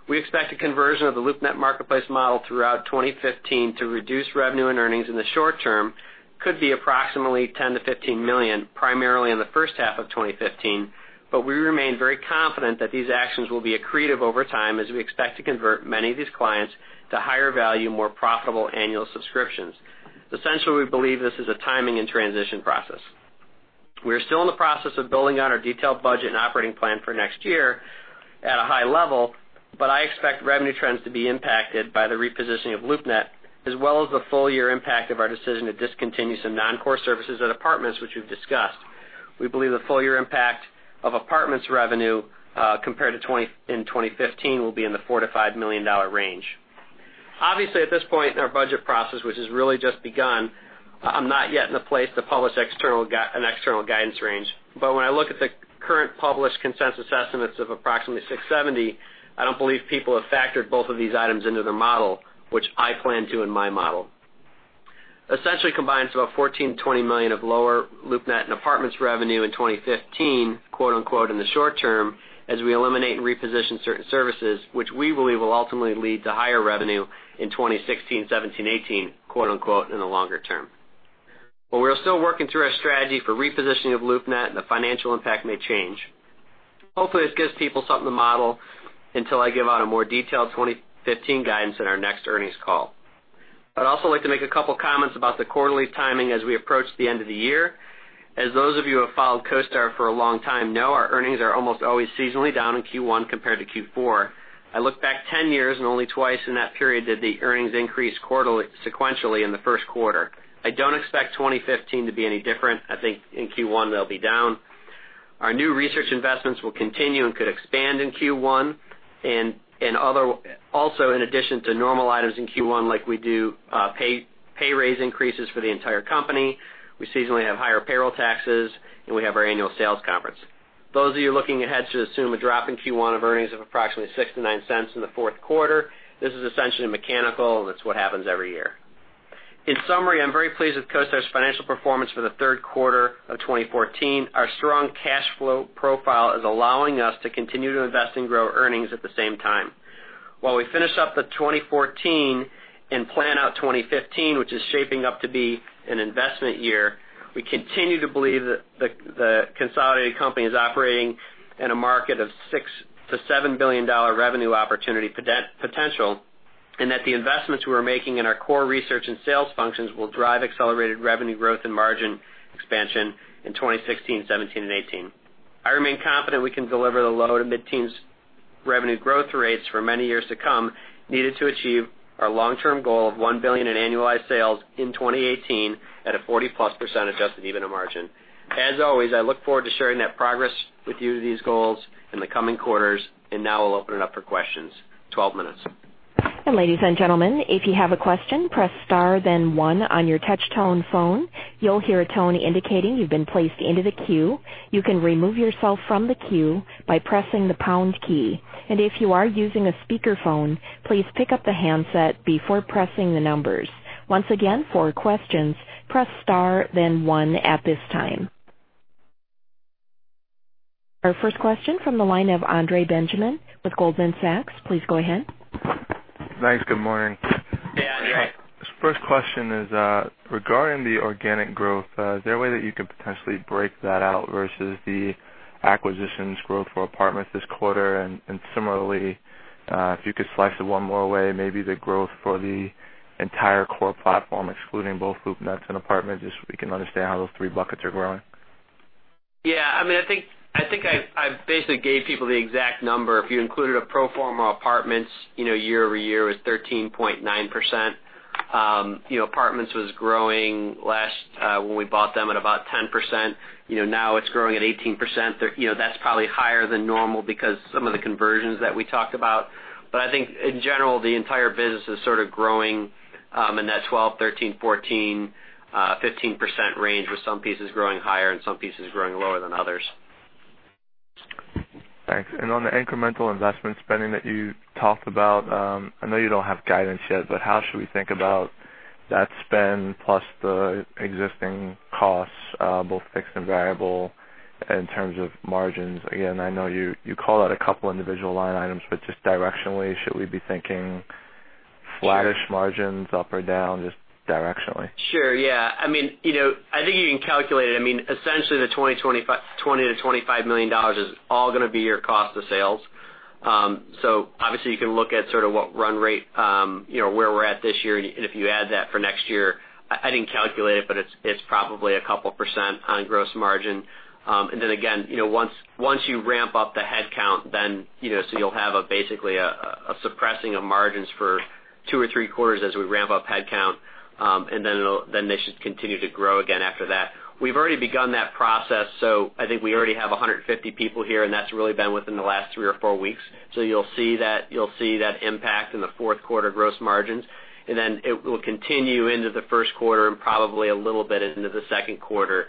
We expect a conversion of the LoopNet marketplace model throughout 2015 to reduce revenue and earnings in the short term, could be approximately $10 million-$15 million, primarily in the first half of 2015, but we remain very confident that these actions will be accretive over time as we expect to convert many of these clients to higher value, more profitable annual subscriptions. Essentially, we believe this is a timing and transition process. We're still in the process of building out our detailed budget and operating plan for next year at a high level, but I expect revenue trends to be impacted by the repositioning of LoopNet, as well as the full-year impact of our decision to discontinue some non-core services at Apartments, which we've discussed. We believe the full-year impact of Apartments revenue compared in 2015 will be in the $4 million-$5 million range. Obviously, at this point in our budget process, which has really just begun, I'm not yet in a place to publish an external guidance range. When I look at the current published consensus estimates of approximately $670 million, I don't believe people have factored both of these items into their model, which I plan to in my model. Essentially combines about $14 million-$20 million of lower LoopNet and Apartments revenue in 2015, quote unquote, in the short term, as we eliminate and reposition certain services, which we believe will ultimately lead to higher revenue in 2016, 2017, 2018, quote unquote, in the longer term. While we are still working through our strategy for repositioning of LoopNet and the financial impact may change, hopefully this gives people something to model until I give out a more detailed 2015 guidance in our next earnings call. I'd also like to make a couple comments about the quarterly timing as we approach the end of the year. As those of you who have followed CoStar for a long time know, our earnings are almost always seasonally down in Q1 compared to Q4. I look back 10 years and only twice in that period did the earnings increase sequentially in the first quarter. I don't expect 2015 to be any different. I think in Q1 they'll be down. Our new research investments will continue and could expand in Q1. Also, in addition to normal items in Q1 like we do pay raise increases for the entire company, we seasonally have higher payroll taxes, and we have our annual sales conference. Those of you looking ahead should assume a drop in Q1 of earnings of approximately $0.06-$0.09 in the fourth quarter. This is essentially mechanical, it's what happens every year. In summary, I'm very pleased with CoStar's financial performance for the third quarter of 2014. Our strong cash flow profile is allowing us to continue to invest and grow earnings at the same time. While we finish up the 2014 and plan out 2015, which is shaping up to be an investment year, we continue to believe that the consolidated company is operating in a market of $6 billion-$7 billion revenue opportunity potential, that the investments we're making in our core research and sales functions will drive accelerated revenue growth and margin expansion in 2016, 2017, and 2018. I remain confident we can deliver the low- to mid-teens revenue growth rates for many years to come needed to achieve our long-term goal of $1 billion in annualized sales in 2018 at a 40-plus% adjusted EBITDA margin. As always, I look forward to sharing that progress with you to these goals in the coming quarters. Now I'll open it up for questions. 12 minutes. Ladies and gentlemen, if you have a question, press * then 1 on your touch-tone phone. You'll hear a tone indicating you've been placed into the queue. You can remove yourself from the queue by pressing the # key. If you are using a speakerphone, please pick up the handset before pressing the numbers. Once again, for questions, press * then 1 at this time. Our first question from the line of Andre Benjamin with Goldman Sachs. Please go ahead. Yeah, Andre. First question is regarding the organic growth. Is there a way that you could potentially break that out versus the acquisitions growth for Apartments this quarter? Similarly, if you could slice it one more way, maybe the growth for the entire core platform, excluding both LoopNet and Apartments, just so we can understand how those three buckets are growing. Yeah. I think I basically gave people the exact number. If you included a pro forma Apartments year-over-year, it was 13.9%. Apartments was growing when we bought them at about 10%. Now it's growing at 18%. That's probably higher than normal because some of the conversions that we talked about. I think in general, the entire business is sort of growing in that 12%, 13%, 14%, 15% range with some pieces growing higher and some pieces growing lower than others. Thanks. On the incremental investment spending that you talked about, I know you don't have guidance yet, how should we think about that spend plus the existing costs, both fixed and variable, in terms of margins? Again, I know you call out a couple individual line items, just directionally, should we be thinking flattish margins up or down, just directionally? Sure, yeah. I think you can calculate it. Essentially, the $20 million-$25 million is all going to be your cost of sales. Obviously, you can look at sort of what run rate, where we're at this year, and if you add that for next year, I didn't calculate it, but it's probably a couple percent on gross margin. Again, once you ramp up the headcount, you'll have basically a suppressing of margins for two or three quarters as we ramp up headcount, and then they should continue to grow again after that. We've already begun that process, I think we already have 150 people here, and that's really been within the last three or four weeks. You'll see that impact in the fourth quarter gross margins. Then it will continue into the first quarter and probably a little bit into the second quarter,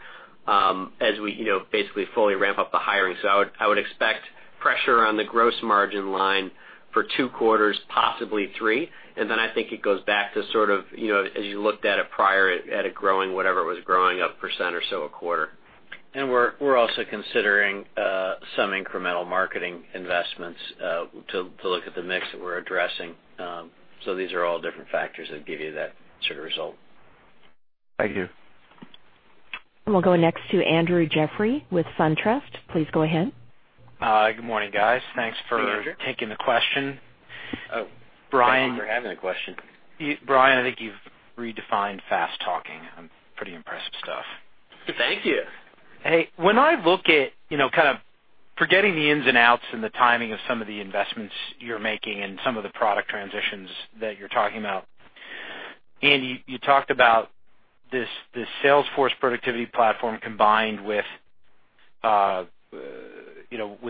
as we basically fully ramp up the hiring. I would expect pressure on the gross margin line for two quarters, possibly three. Then I think it goes back to sort of, as you looked at it prior at a growing, whatever it was growing up percent or so a quarter. We're also considering some incremental marketing investments to look at the mix that we're addressing. These are all different factors that give you that sort of result. Thank you. We'll go next to Andrew Jeffrey with SunTrust. Please go ahead. Good morning, guys. Thanks for- Good morning, Andrew. -taking the question. Brian- Thank you for having a question. Brian, I think you've redefined fast-talking. I'm pretty impressed stuff. Thank you. Hey, when I look at kind of forgetting the ins and outs and the timing of some of the investments you're making and some of the product transitions that you're talking about, Andy, you talked about this sales force productivity platform combined with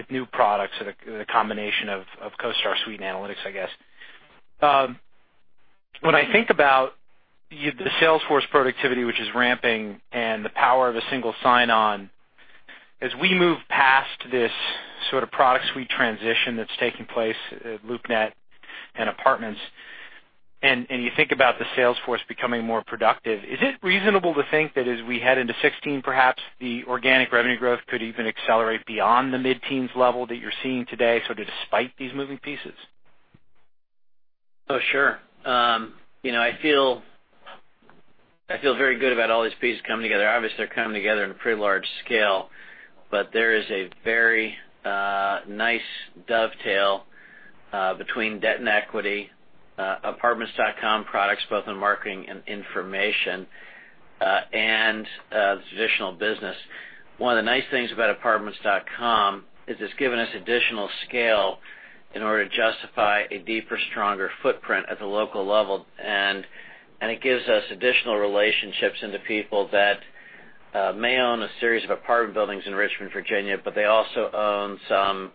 new products and a combination of CoStar Suite and analytics, I guess. When I think about the sales force productivity, which is ramping, and the power of a single sign-on, as we move past this sort of product Suite transition that's taking place at LoopNet and Apartments, and you think about the sales force becoming more productive, is it reasonable to think that as we head into 2016, perhaps the organic revenue growth could even accelerate beyond the mid-teens level that you're seeing today, sort of despite these moving pieces? Oh, sure. I feel very good about all these pieces coming together. Obviously, they're coming together in a pretty large scale, but there is a very nice dovetail between debt and equity, Apartments.com products, both in marketing and information, and the traditional business. One of the nice things about Apartments.com is it's given us additional scale in order to justify a deeper, stronger footprint at the local level. It gives us additional relationships into people that may own a series of apartment buildings in Richmond, Virginia, but they also own some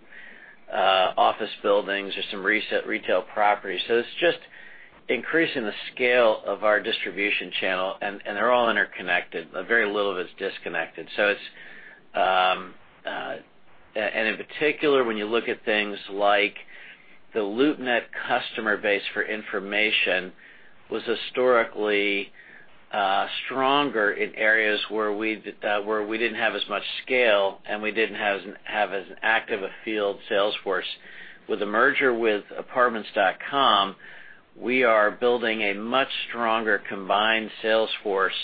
office buildings or some recent retail properties. It's just increasing the scale of our distribution channel, and they're all interconnected. A very little of it's disconnected. In particular, when you look at things like the LoopNet customer base for information was historically stronger in areas where we didn't have as much scale, and we didn't have as active a field sales force. With the merger with Apartments.com, we are building a much stronger combined sales force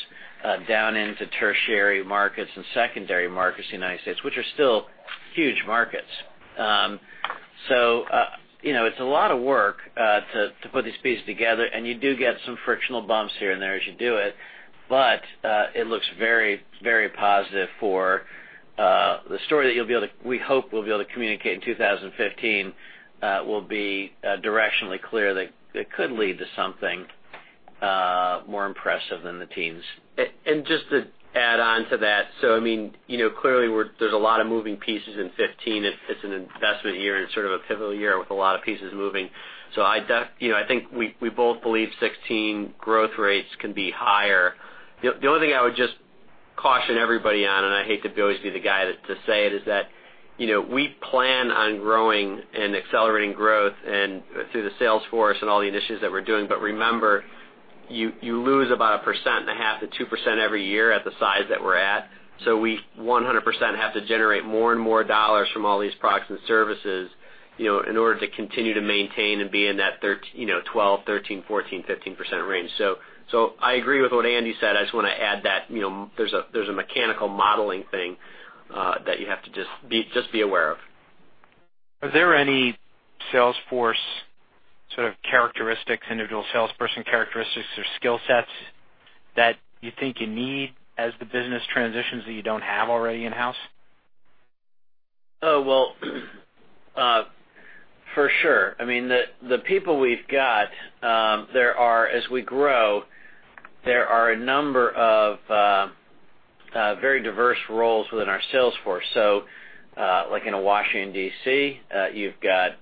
down into tertiary markets and secondary markets in the United States, which are still huge markets. It's a lot of work to put these pieces together, and you do get some frictional bumps here and there as you do it. It looks very positive for the story that we hope we'll be able to communicate in 2015 will be directionally clear that it could lead to something more impressive than the teens. Just to add on to that, clearly there's a lot of moving pieces in 2015. It's an investment year and sort of a pivotal year with a lot of pieces moving. I think we both believe 2016 growth rates can be higher. The only thing I would just caution everybody on, and I hate to always be the guy to say it, is that we plan on growing and accelerating growth and through the sales force and all the initiatives that we're doing. Remember, you lose about 1.5%-2% every year at the size that we're at. We 100% have to generate more and more dollars from all these products and services in order to continue to maintain and be in that 12%, 13%, 14%, 15% range. I agree with what Andy said. I just want to add that there's a mechanical modeling thing that you have to just be aware of. Are there any sales force sort of characteristics, individual salesperson characteristics or skill sets that you think you need as the business transitions that you don't have already in-house? Well, for sure. The people we've got, as we grow, there are a number of very diverse roles within our sales force. In Washington, D.C., you've got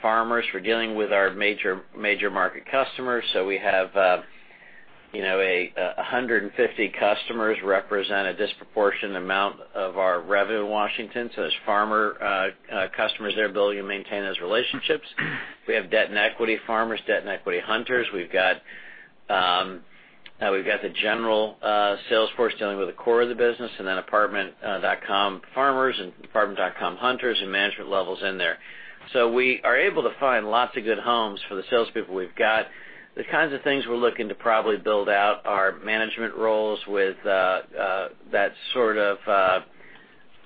farmers for dealing with our major market customers. We have 150 customers represent a disproportionate amount of our revenue in Washington. As farmer customers, their ability to maintain those relationships. We have debt and equity farmers, debt and equity hunters. We've got Now we've got the general sales force dealing with the core of the business and then Apartments.com farmers and Apartments.com hunters and management levels in there. We are able to find lots of good homes for the salespeople we've got. The kinds of things we're looking to probably build out are management roles with that sort of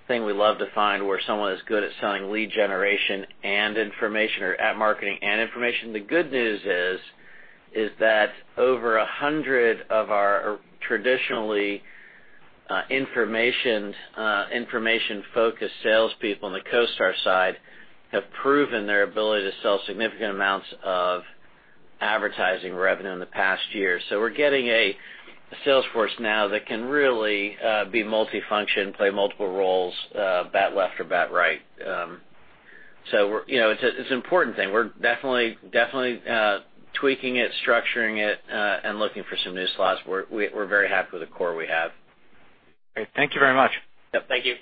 thing we love to find where someone is good at selling lead generation and information or at marketing and information. The good news is that over 100 of our traditionally information-focused salespeople on the CoStar side have proven their ability to sell significant amounts of advertising revenue in the past year. We're getting a sales force now that can really be multifunction, play multiple roles, bat left or bat right. It's an important thing. We're definitely tweaking it, structuring it, and looking for some new slots. We're very happy with the core we have. Great. Thank you very much. Yep. Thank you.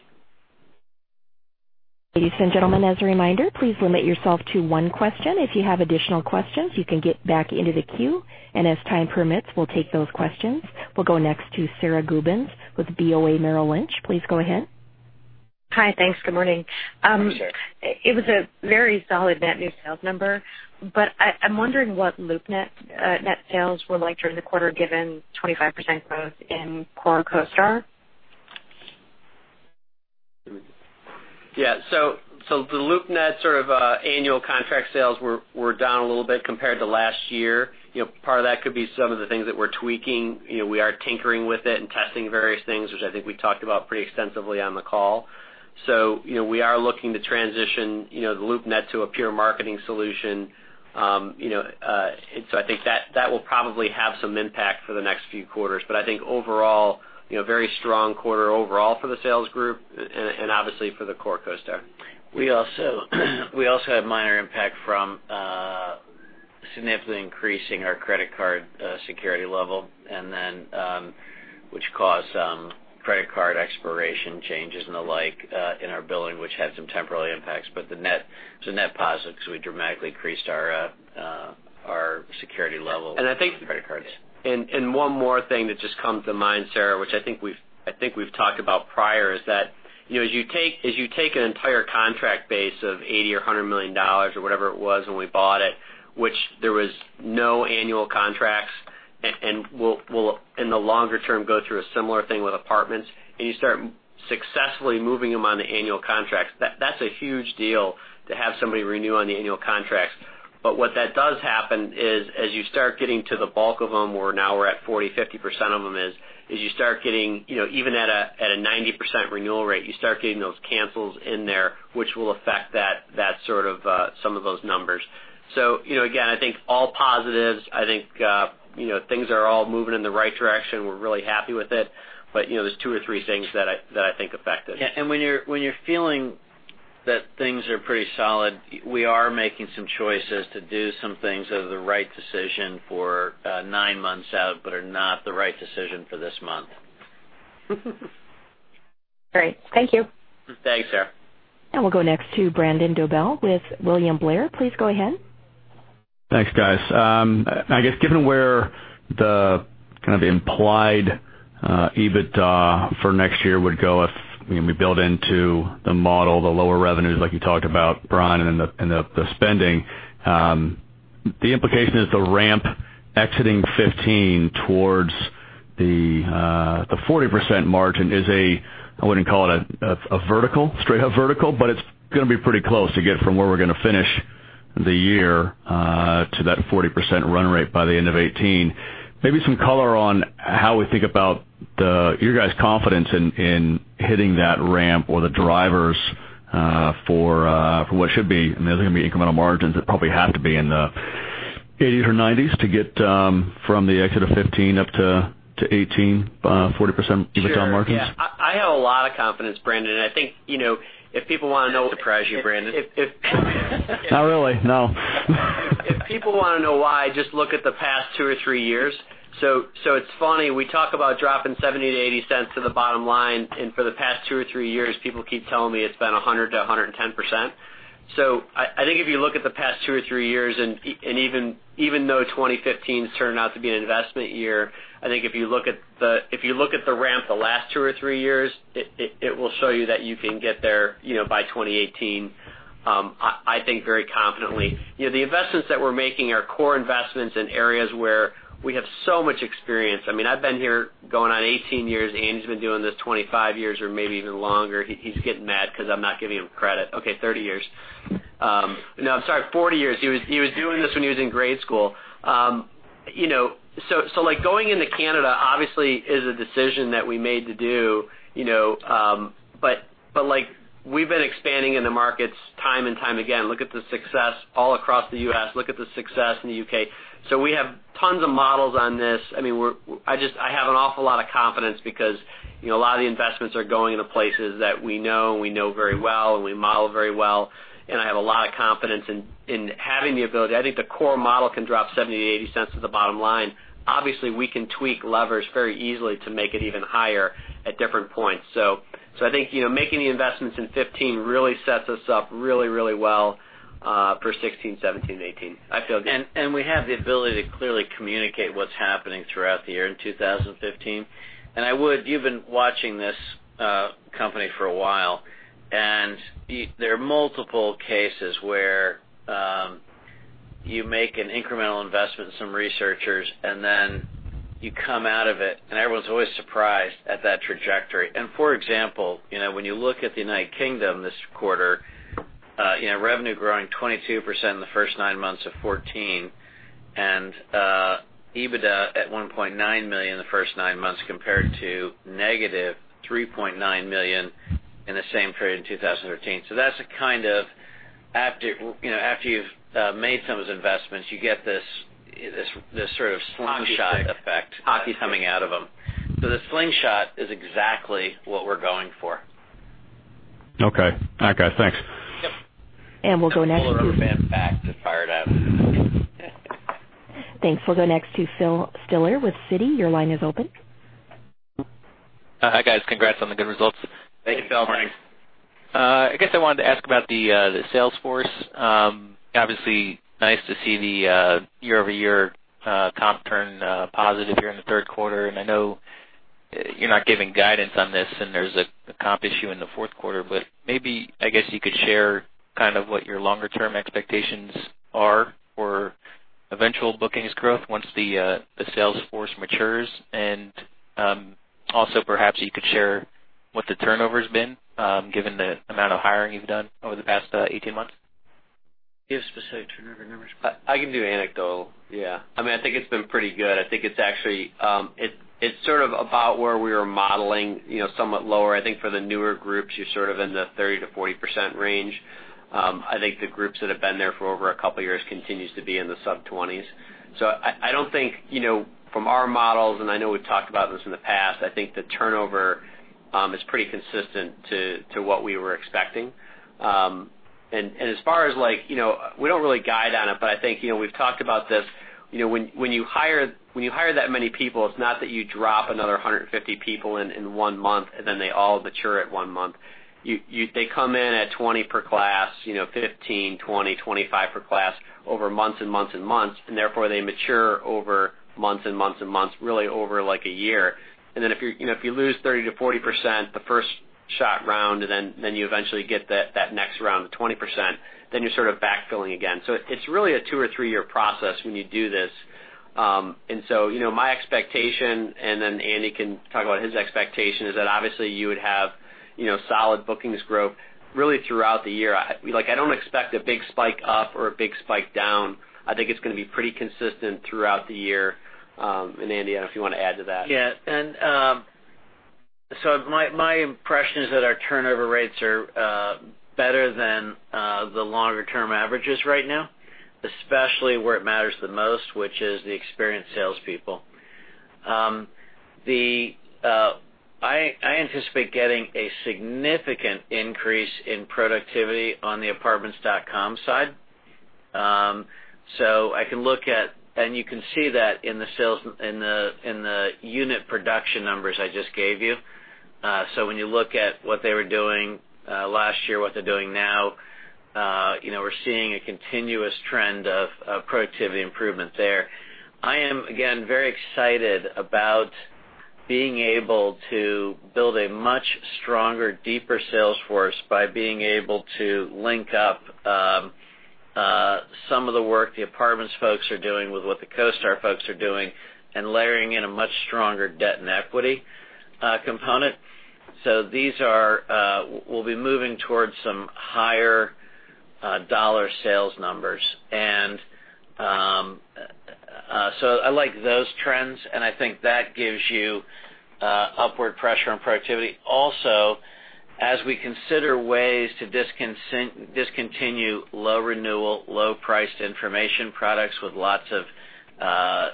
Ladies and gentlemen, as a reminder, please limit yourself to one question. If you have additional questions, you can get back into the queue, and as time permits, we'll take those questions. We'll go next to Sara Gubins with BofA Merrill Lynch. Please go ahead. Hi. Thanks. Good morning. Sure. It was a very solid net new sales number. I'm wondering what LoopNet net sales were like during the quarter, given 25% growth in core CoStar. Yeah. The LoopNet sort of annual contract sales were down a little bit compared to last year. Part of that could be some of the things that we're tweaking. We are tinkering with it and testing various things, which I think we talked about pretty extensively on the call. We are looking to transition the LoopNet to a pure marketing solution. I think that will probably have some impact for the next few quarters. I think overall, very strong quarter overall for the sales group and obviously for the core CoStar. We also had minor impact from significantly increasing our credit card security level, which caused some credit card expiration changes and the like in our billing, which had some temporary impacts. It's a net positive because we dramatically increased our security level on credit cards. I think, and one more thing that just comes to mind, Sara, which I think we've talked about prior, is that, as you take an entire contract base of $80 or $100 million or whatever it was when we bought it, which there was no annual contracts, and we'll, in the longer term, go through a similar thing with apartments, and you start successfully moving them on the annual contracts. That's a huge deal to have somebody renew on the annual contracts. What that does happen is as you start getting to the bulk of them, where now we're at 40%, 50% of them is you start getting, even at a 90% renewal rate, you start getting those cancels in there, which will affect some of those numbers. Again, I think all positives. I think things are all moving in the right direction. We're really happy with it, there's two or three things that I think affect it. Yeah. When you're feeling that things are pretty solid, we are making some choices to do some things that are the right decision for nine months out, are not the right decision for this month. Great. Thank you. Thanks, Sara. We'll go next to Brandon Dobell with William Blair. Please go ahead. Thanks, guys. I guess given where the kind of implied EBITDA for next year would go if we build into the model, the lower revenues like you talked about, Brian, and then the spending. The implication is the ramp exiting 2015 towards the 40% margin is a, I wouldn't call it a vertical, straight up vertical, but it's going to be pretty close to get from where we're going to finish the year to that 40% run rate by the end of 2018. Maybe some color on how we think about your guys' confidence in hitting that ramp or the drivers for what should be I mean, there's going to be incremental margins that probably have to be in the 80s or 90s to get from the exit of 2015 up to 2018, 40% EBITDA margins. Sure. Yeah. I have a lot of confidence, Brandon, and I think if people want to know. That doesn't surprise you, Brandon. Not really, no. If people want to know why, just look at the past two or three years. It's funny. We talk about dropping $0.70 to $0.80 to the bottom line, for the past two or three years, people keep telling me it's been 100%-110%. I think if you look at the past two or three years, even though 2015's turned out to be an investment year, I think if you look at the ramp the last two or three years, it will show you that you can get there by 2018, I think very confidently. The investments that we're making are core investments in areas where we have so much experience. I've been here going on 18 years. Andy's been doing this 25 years or maybe even longer. He's getting mad because I'm not giving him credit. Okay, 30 years. No, I'm sorry, 40 years. He was doing this when he was in grade school. Going into Canada obviously is a decision that we made to do, but we've been expanding in the markets time and time again. Look at the success all across the U.S. Look at the success in the U.K. We have tons of models on this. I have an awful lot of confidence because a lot of the investments are going into places that we know and we know very well, and we model very well, and I have a lot of confidence in having the ability I think the core model can drop $0.70 to $0.80 to the bottom line. Obviously, we can tweak levers very easily to make it even higher at different points. I think making the investments in 2015 really sets us up really well for 2016, 2017, and 2018. I feel good. We have the ability to clearly communicate what's happening throughout the year in 2015. You've been watching this company for a while, there are multiple cases where you make an incremental investment in some researchers, then you come out of it, everyone's always surprised at that trajectory. For example, when you look at the United Kingdom this quarter, revenue growing 22% in the first nine months of 2014, EBITDA at $1.9 million in the first nine months, compared to negative $3.9 million in the same period in 2013. That's a kind of, after you've made some of those investments, you get this sort of slingshot effect. Slingshot coming out of them. The slingshot is exactly what we're going for. Okay. Got it. Thanks. Yep. We'll go next. Pull a rubber band back to fire it out. Thanks. We'll go next to Philip Stiller with Citi. Your line is open. Hi, guys. Congrats on the good results. Thank you, Phil. Thanks. I guess I wanted to ask about the sales force. Obviously, nice to see the year-over-year comp turn positive here in the third quarter. I know you're not giving guidance on this, and there's a comp issue in the fourth quarter, but maybe, I guess, you could share what your longer-term expectations are for eventual bookings growth once the sales force matures, and also perhaps you could share what the turnover's been, given the amount of hiring you've done over the past 18 months. Do you have specific turnover numbers? I can do anecdotal. Yeah. I think it's been pretty good. I think it's actually about where we were modeling, somewhat lower. I think for the newer groups, you're in the 30%-40% range. I think the groups that have been there for over a couple of years continues to be in the sub-20s. I don't think from our models, and I know we've talked about this in the past, I think the turnover is pretty consistent to what we were expecting. As far as, we don't really guide on it, but I think we've talked about this. When you hire that many people, it's not that you drop another 150 people in in one month, and then they all mature at one month. They come in at 20 per class, 15, 20, 25 per class over months and months and months. Therefore they mature over months and months and months, really over a year. If you lose 30%-40% the first shot round, and then you eventually get that next round of 20%, you're sort of backfilling again. It's really a two- or three-year process when you do this. My expectation, and Andy can talk about his expectation, is that obviously you would have solid bookings growth really throughout the year. I don't expect a big spike up or a big spike down. I think it's going to be pretty consistent throughout the year. Andy, I don't know if you want to add to that. My impression is that our turnover rates are better than the longer-term averages right now, especially where it matters the most, which is the experienced salespeople. I anticipate getting a significant increase in productivity on the Apartments.com side. I can look at, and you can see that in the unit production numbers I just gave you. When you look at what they were doing last year, what they're doing now, we're seeing a continuous trend of productivity improvement there. I am, again, very excited about being able to build a much stronger, deeper sales force by being able to link up some of the work the apartments folks are doing with what the CoStar folks are doing, and layering in a much stronger debt and equity component. These are. We'll be moving towards some higher dollar sales numbers. I like those trends, and I think that gives you upward pressure on productivity. Also, as we consider ways to discontinue low-renewal, low-priced information products with lots of buy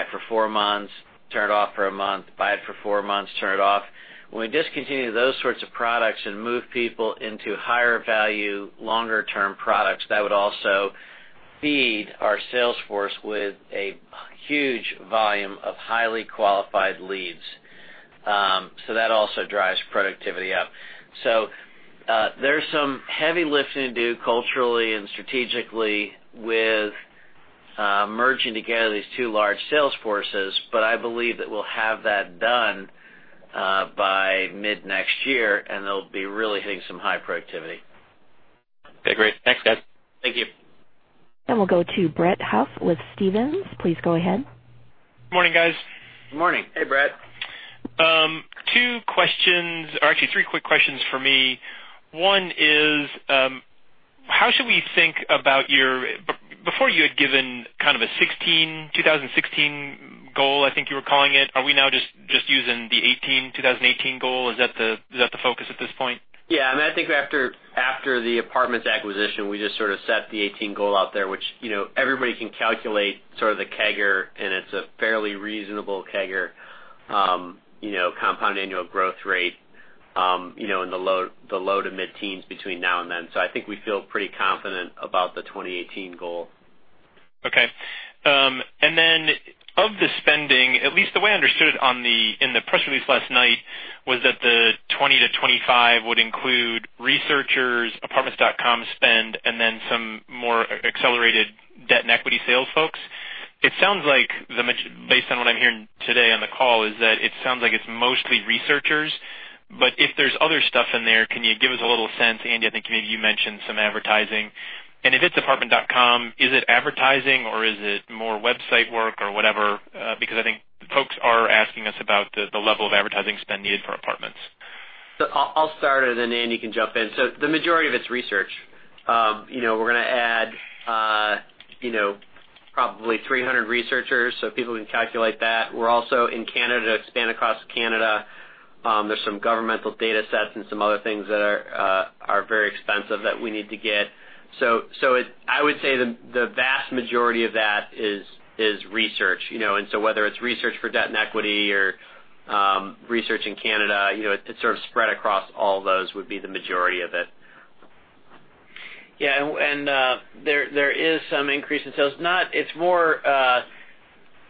it for four months, turn it off for a month, buy it for four months, turn it off. When we discontinue those sorts of products and move people into higher value, longer-term products, that would also feed our sales force with a huge volume of highly qualified leads. That also drives productivity up. There's some heavy lifting to do culturally and strategically with merging together these two large sales forces, but I believe that we'll have that done by mid-next year, and they'll be really hitting some high productivity. Okay, great. Thanks, guys. Thank you. We'll go to Brett Huff with Stephens. Please go ahead. Morning, guys. Morning. Hey, Brett. Two questions, or actually three quick questions from me. One is, how should we think about your Before you had given kind of a 2016 goal, I think you were calling it. Are we now just using the 2018 goal? Is that the focus at this point? I think after the Apartments.com acquisition, we just sort of set the 2018 goal out there, which everybody can calculate sort of the CAGR, and it's a fairly reasonable CAGR, compound annual growth rate, in the low-to-mid teens between now and then. I think we feel pretty confident about the 2018 goal. Of the spending, at least the way I understood it in the press release last night, was that the $20-$25 would include researchers, Apartments.com spend, and then some more accelerated debt and equity sales folks. It sounds like, based on what I'm hearing today on the call, it sounds like it's mostly researchers, but if there's other stuff in there, can you give us a little sense? Andy, I think maybe you mentioned some advertising. If it's Apartments.com, is it advertising or is it more website work or whatever? Because I think folks are asking us about the level of advertising spend needed for Apartments.com. I'll start and then Andy can jump in. The majority of it's research. We're going to add probably 300 researchers so people can calculate that. We're also in Canada to expand across Canada. There's some governmental data sets and some other things that are very expensive that we need to get. I would say the vast majority of that is research. Whether it's research for debt and equity or research in Canada, it sort of spread across all those would be the majority of it. There is some increase in sales. It's more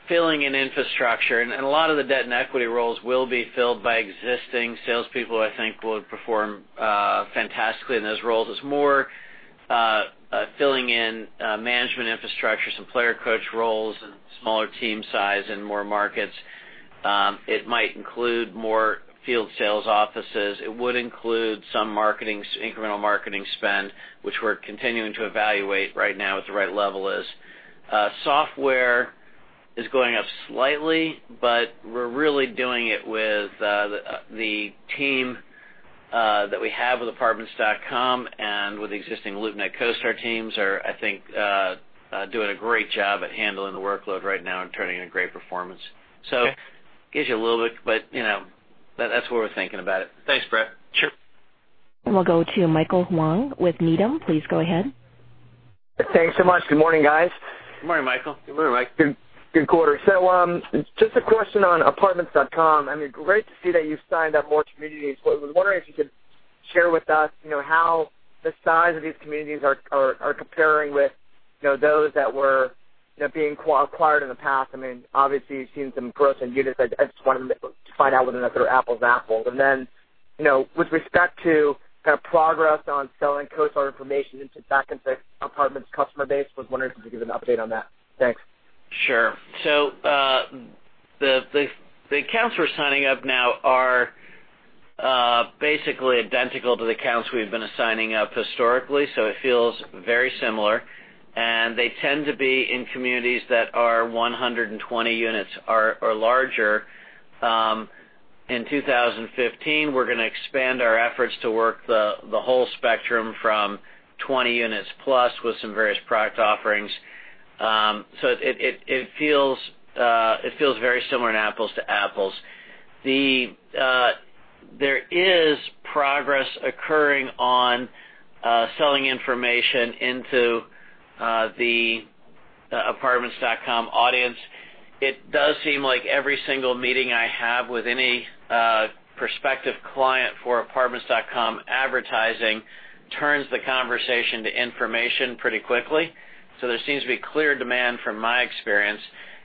filling in infrastructure, and a lot of the debt and equity roles will be filled by existing salespeople who I think will perform fantastically in those roles. It's more filling in management infrastructure, some player-coach roles, and smaller team size and more markets. It might include more field sales offices. It would include some incremental marketing spend, which we're continuing to evaluate right now at the right level is. Software is going up slightly, but we're really doing it with the team that we have with Apartments.com and with existing LoopNet CoStar teams are, I think doing a great job at handling the workload right now and turning in great performance. Okay. It gives you a little bit, but that's what we're thinking about it. Thanks, Brett. Sure. We'll go to Michael Huang with Needham. Please go ahead. Thanks so much. Good morning, guys. Good morning, Michael. Good morning, Mike. Good quarter. Just a question on Apartments.com. Great to see that you've signed up more communities. I was wondering if you could share with us how the size of these communities are comparing with those that were being acquired in the past. Obviously, you've seen some growth in units. I just wanted to find out whether or not they were apples to apples. With respect to kind of progress on selling CoStar information into back into Apartments customer base, was wondering if you could give an update on that. Thanks. Sure. The accounts we're signing up now are basically identical to the accounts we've been signing up historically, so it feels very similar. They tend to be in communities that are 120 units or larger. In 2015, we're going to expand our efforts to work the whole spectrum from 20 units plus with some various product offerings. It feels very similar in apples to apples. There is progress occurring on selling information into the Apartments.com audience. It does seem like every single meeting I have with any prospective client for Apartments.com advertising turns the conversation to information pretty quickly. There seems to be clear demand from my experience,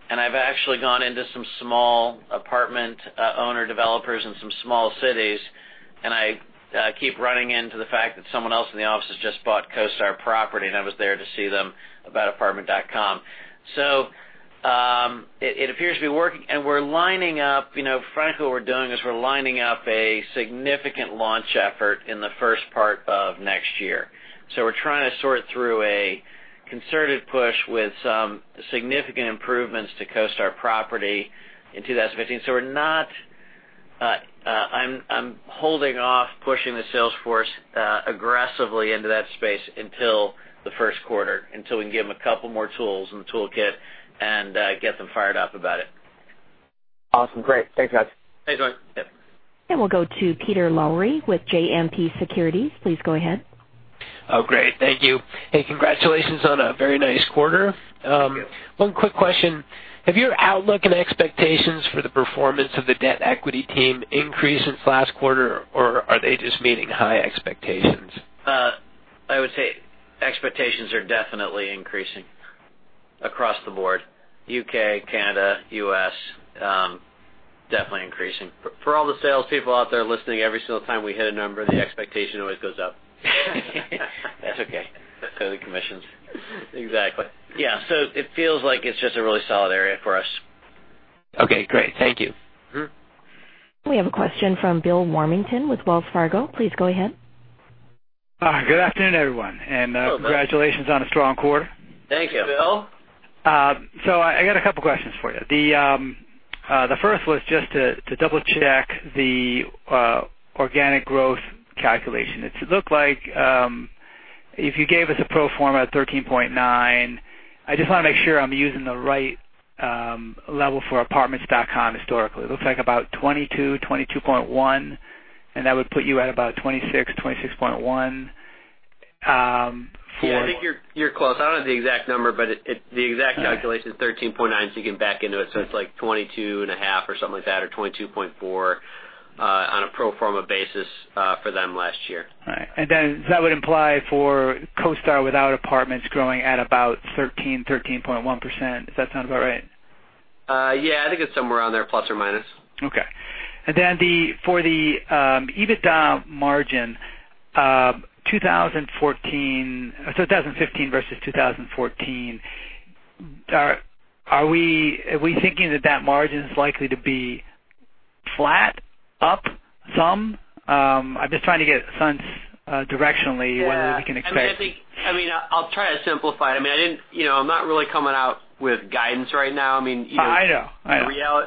and I've actually gone into some small apartment owner developers in some small cities, and I keep running into the fact that someone else in the office has just bought CoStar property, and I was there to see them about apartment.com. It appears to be working. Frankly, what we're doing is we're lining up a significant launch effort in the first part of next year. We're trying to sort through a concerted push with some significant improvements to CoStar property in 2015. I'm holding off pushing the sales force aggressively into that space until the first quarter, until we can give them a couple more tools in the toolkit and get them fired up about it. Awesome. Great. Thanks, guys. Thanks, Mike. We'll go to Peter Lowry with JMP Securities. Please go ahead. Oh, great. Thank you. Hey, congratulations on a very nice quarter. Thank you. One quick question. Have your outlook and expectations for the performance of the debt equity team increased since last quarter, or are they just meeting high expectations? I would say expectations are definitely increasing across the board. U.K., Canada, U.S., definitely increasing. For all the salespeople out there listening, every single time we hit a number, the expectation always goes up. That's okay. Are the commissions. Exactly. Yeah, it feels like it's just a really solid area for us. Okay, great. Thank you. We have a question from William Warmington with Wells Fargo. Please go ahead. Good afternoon, everyone. Hello, Bill. Congratulations on a strong quarter. Thank you. Thanks, Bill. I got a couple questions for you. The first was just to double-check the organic growth calculation. It looked like if you gave us a pro forma at 13.9, I just want to make sure I'm using the right level for Apartments.com historically. It looks like about 22.1, and that would put you at about 26.1. Yeah, I think you're close. I don't have the exact number, the exact calculation is 13.9, you can back into it. It's like 22.5 or something like that, or 22.4 On a pro forma basis for them last year. All right. Does that imply for CoStar without apartments growing at about 13%, 13.1%? Does that sound about right? Yeah, I think it's somewhere around there, plus or minus. Okay. For the EBITDA margin, 2015 versus 2014, are we thinking that that margin is likely to be flat? Up some? I'm just trying to get a sense directionally whether we can expect- I'll try to simplify. I'm not really coming out with guidance right now. I know.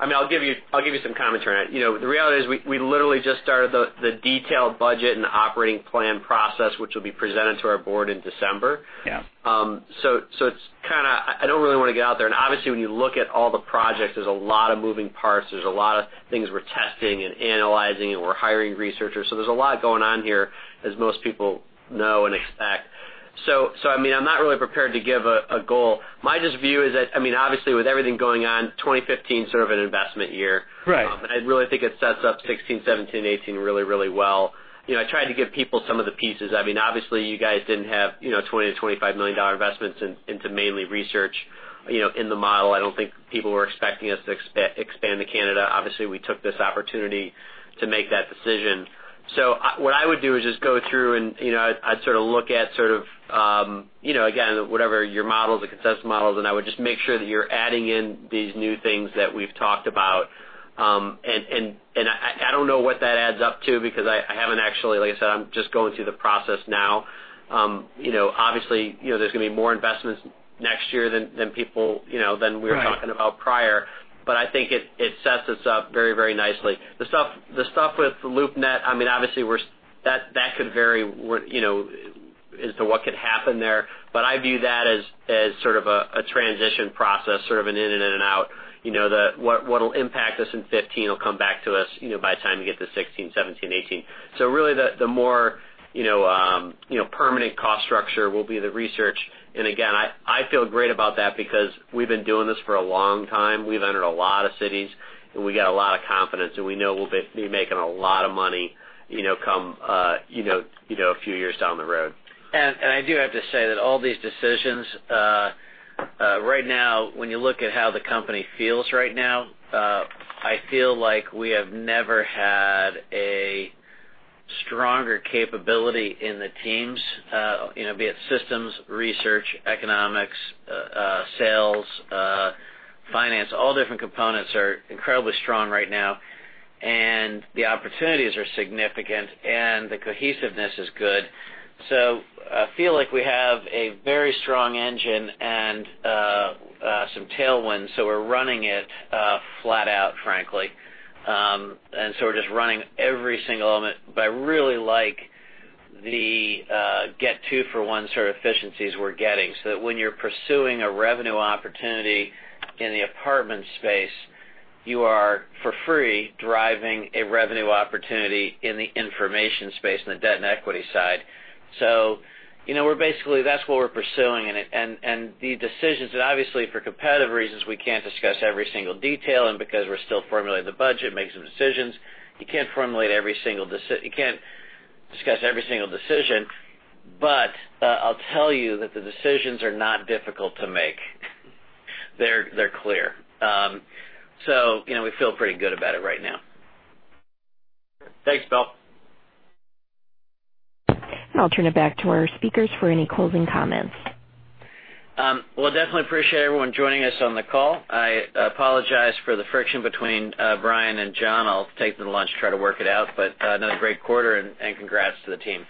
I'll give you some comments around it. The reality is we literally just started the detailed budget and operating plan process, which will be presented to our board in December. Yeah. I don't really want to get out there. Obviously, when you look at all the projects, there's a lot of moving parts. There's a lot of things we're testing and analyzing, and we're hiring researchers. There's a lot going on here, as most people know and expect. I'm not really prepared to give a goal. My just view is that, obviously, with everything going on, 2015's sort of an investment year. Right. I really think it sets up 2016, 2017, and 2018 really well. I tried to give people some of the pieces. Obviously, you guys didn't have $20 million to $25 million investments into mainly research in the model. I don't think people were expecting us to expand to Canada. Obviously, we took this opportunity to make that decision. What I would do is just go through and I'd look at, again, whatever your models, the consensus models, and I would just make sure that you're adding in these new things that we've talked about. I don't know what that adds up to because I haven't actually, like I said, I'm just going through the process now. Obviously, there's going to be more investments next year than we were talking about prior, but I think it sets us up very nicely. The stuff with LoopNet, obviously, that could vary as to what could happen there. I view that as sort of a transition process, sort of an in and out. What will impact us in 2015 will come back to us by the time we get to 2016, 2017, 2018. Really the more permanent cost structure will be the research. Again, I feel great about that because we've been doing this for a long time. We've entered a lot of cities, and we got a lot of confidence, and we know we'll be making a lot of money come a few years down the road. I do have to say that all these decisions, right now, when you look at how the company feels right now, I feel like we have never had a stronger capability in the teams, be it systems, research, economics, sales, finance, all different components are incredibly strong right now, and the opportunities are significant, and the cohesiveness is good. I feel like we have a very strong engine and some tailwinds. We're running it flat out, frankly. We're just running every single element. I really like the get-two-for-one sort of efficiencies we're getting, so that when you're pursuing a revenue opportunity in the apartment space, you are, for free, deriving a revenue opportunity in the information space on the debt and equity side. Basically, that's what we're pursuing. The decisions that obviously, for competitive reasons, we can't discuss every single detail, and because we're still formulating the budget, making some decisions, you can't discuss every single decision. I'll tell you that the decisions are not difficult to make. They're clear. We feel pretty good about it right now. Thanks, Bill. I'll turn it back to our speakers for any closing comments. Well, definitely appreciate everyone joining us on the call. I apologize for the friction between Brian and John. I'll take them to lunch and try to work it out. Another great quarter, and congrats to the team.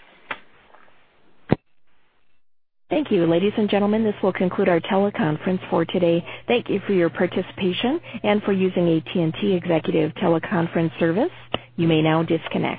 Thank you, ladies and gentlemen. This will conclude our teleconference for today. Thank you for your participation and for using AT&T Executive Teleconference Service. You may now disconnect.